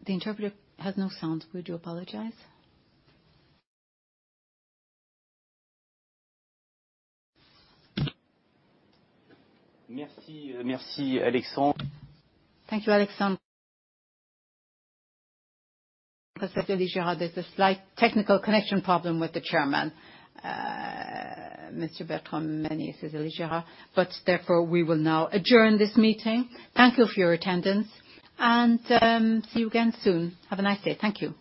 the interpreter has no sound. Would you apologize? Merci. Merci, Alexandre. Thank you, Alexandre. There's a slight technical connection problem with the chairman, Mr. Bertrand Meunier, says Elie Girard. But therefore, we will now adjourn this meeting. Thank you for your attendance and, see you again soon. Have a nice day. Thank you.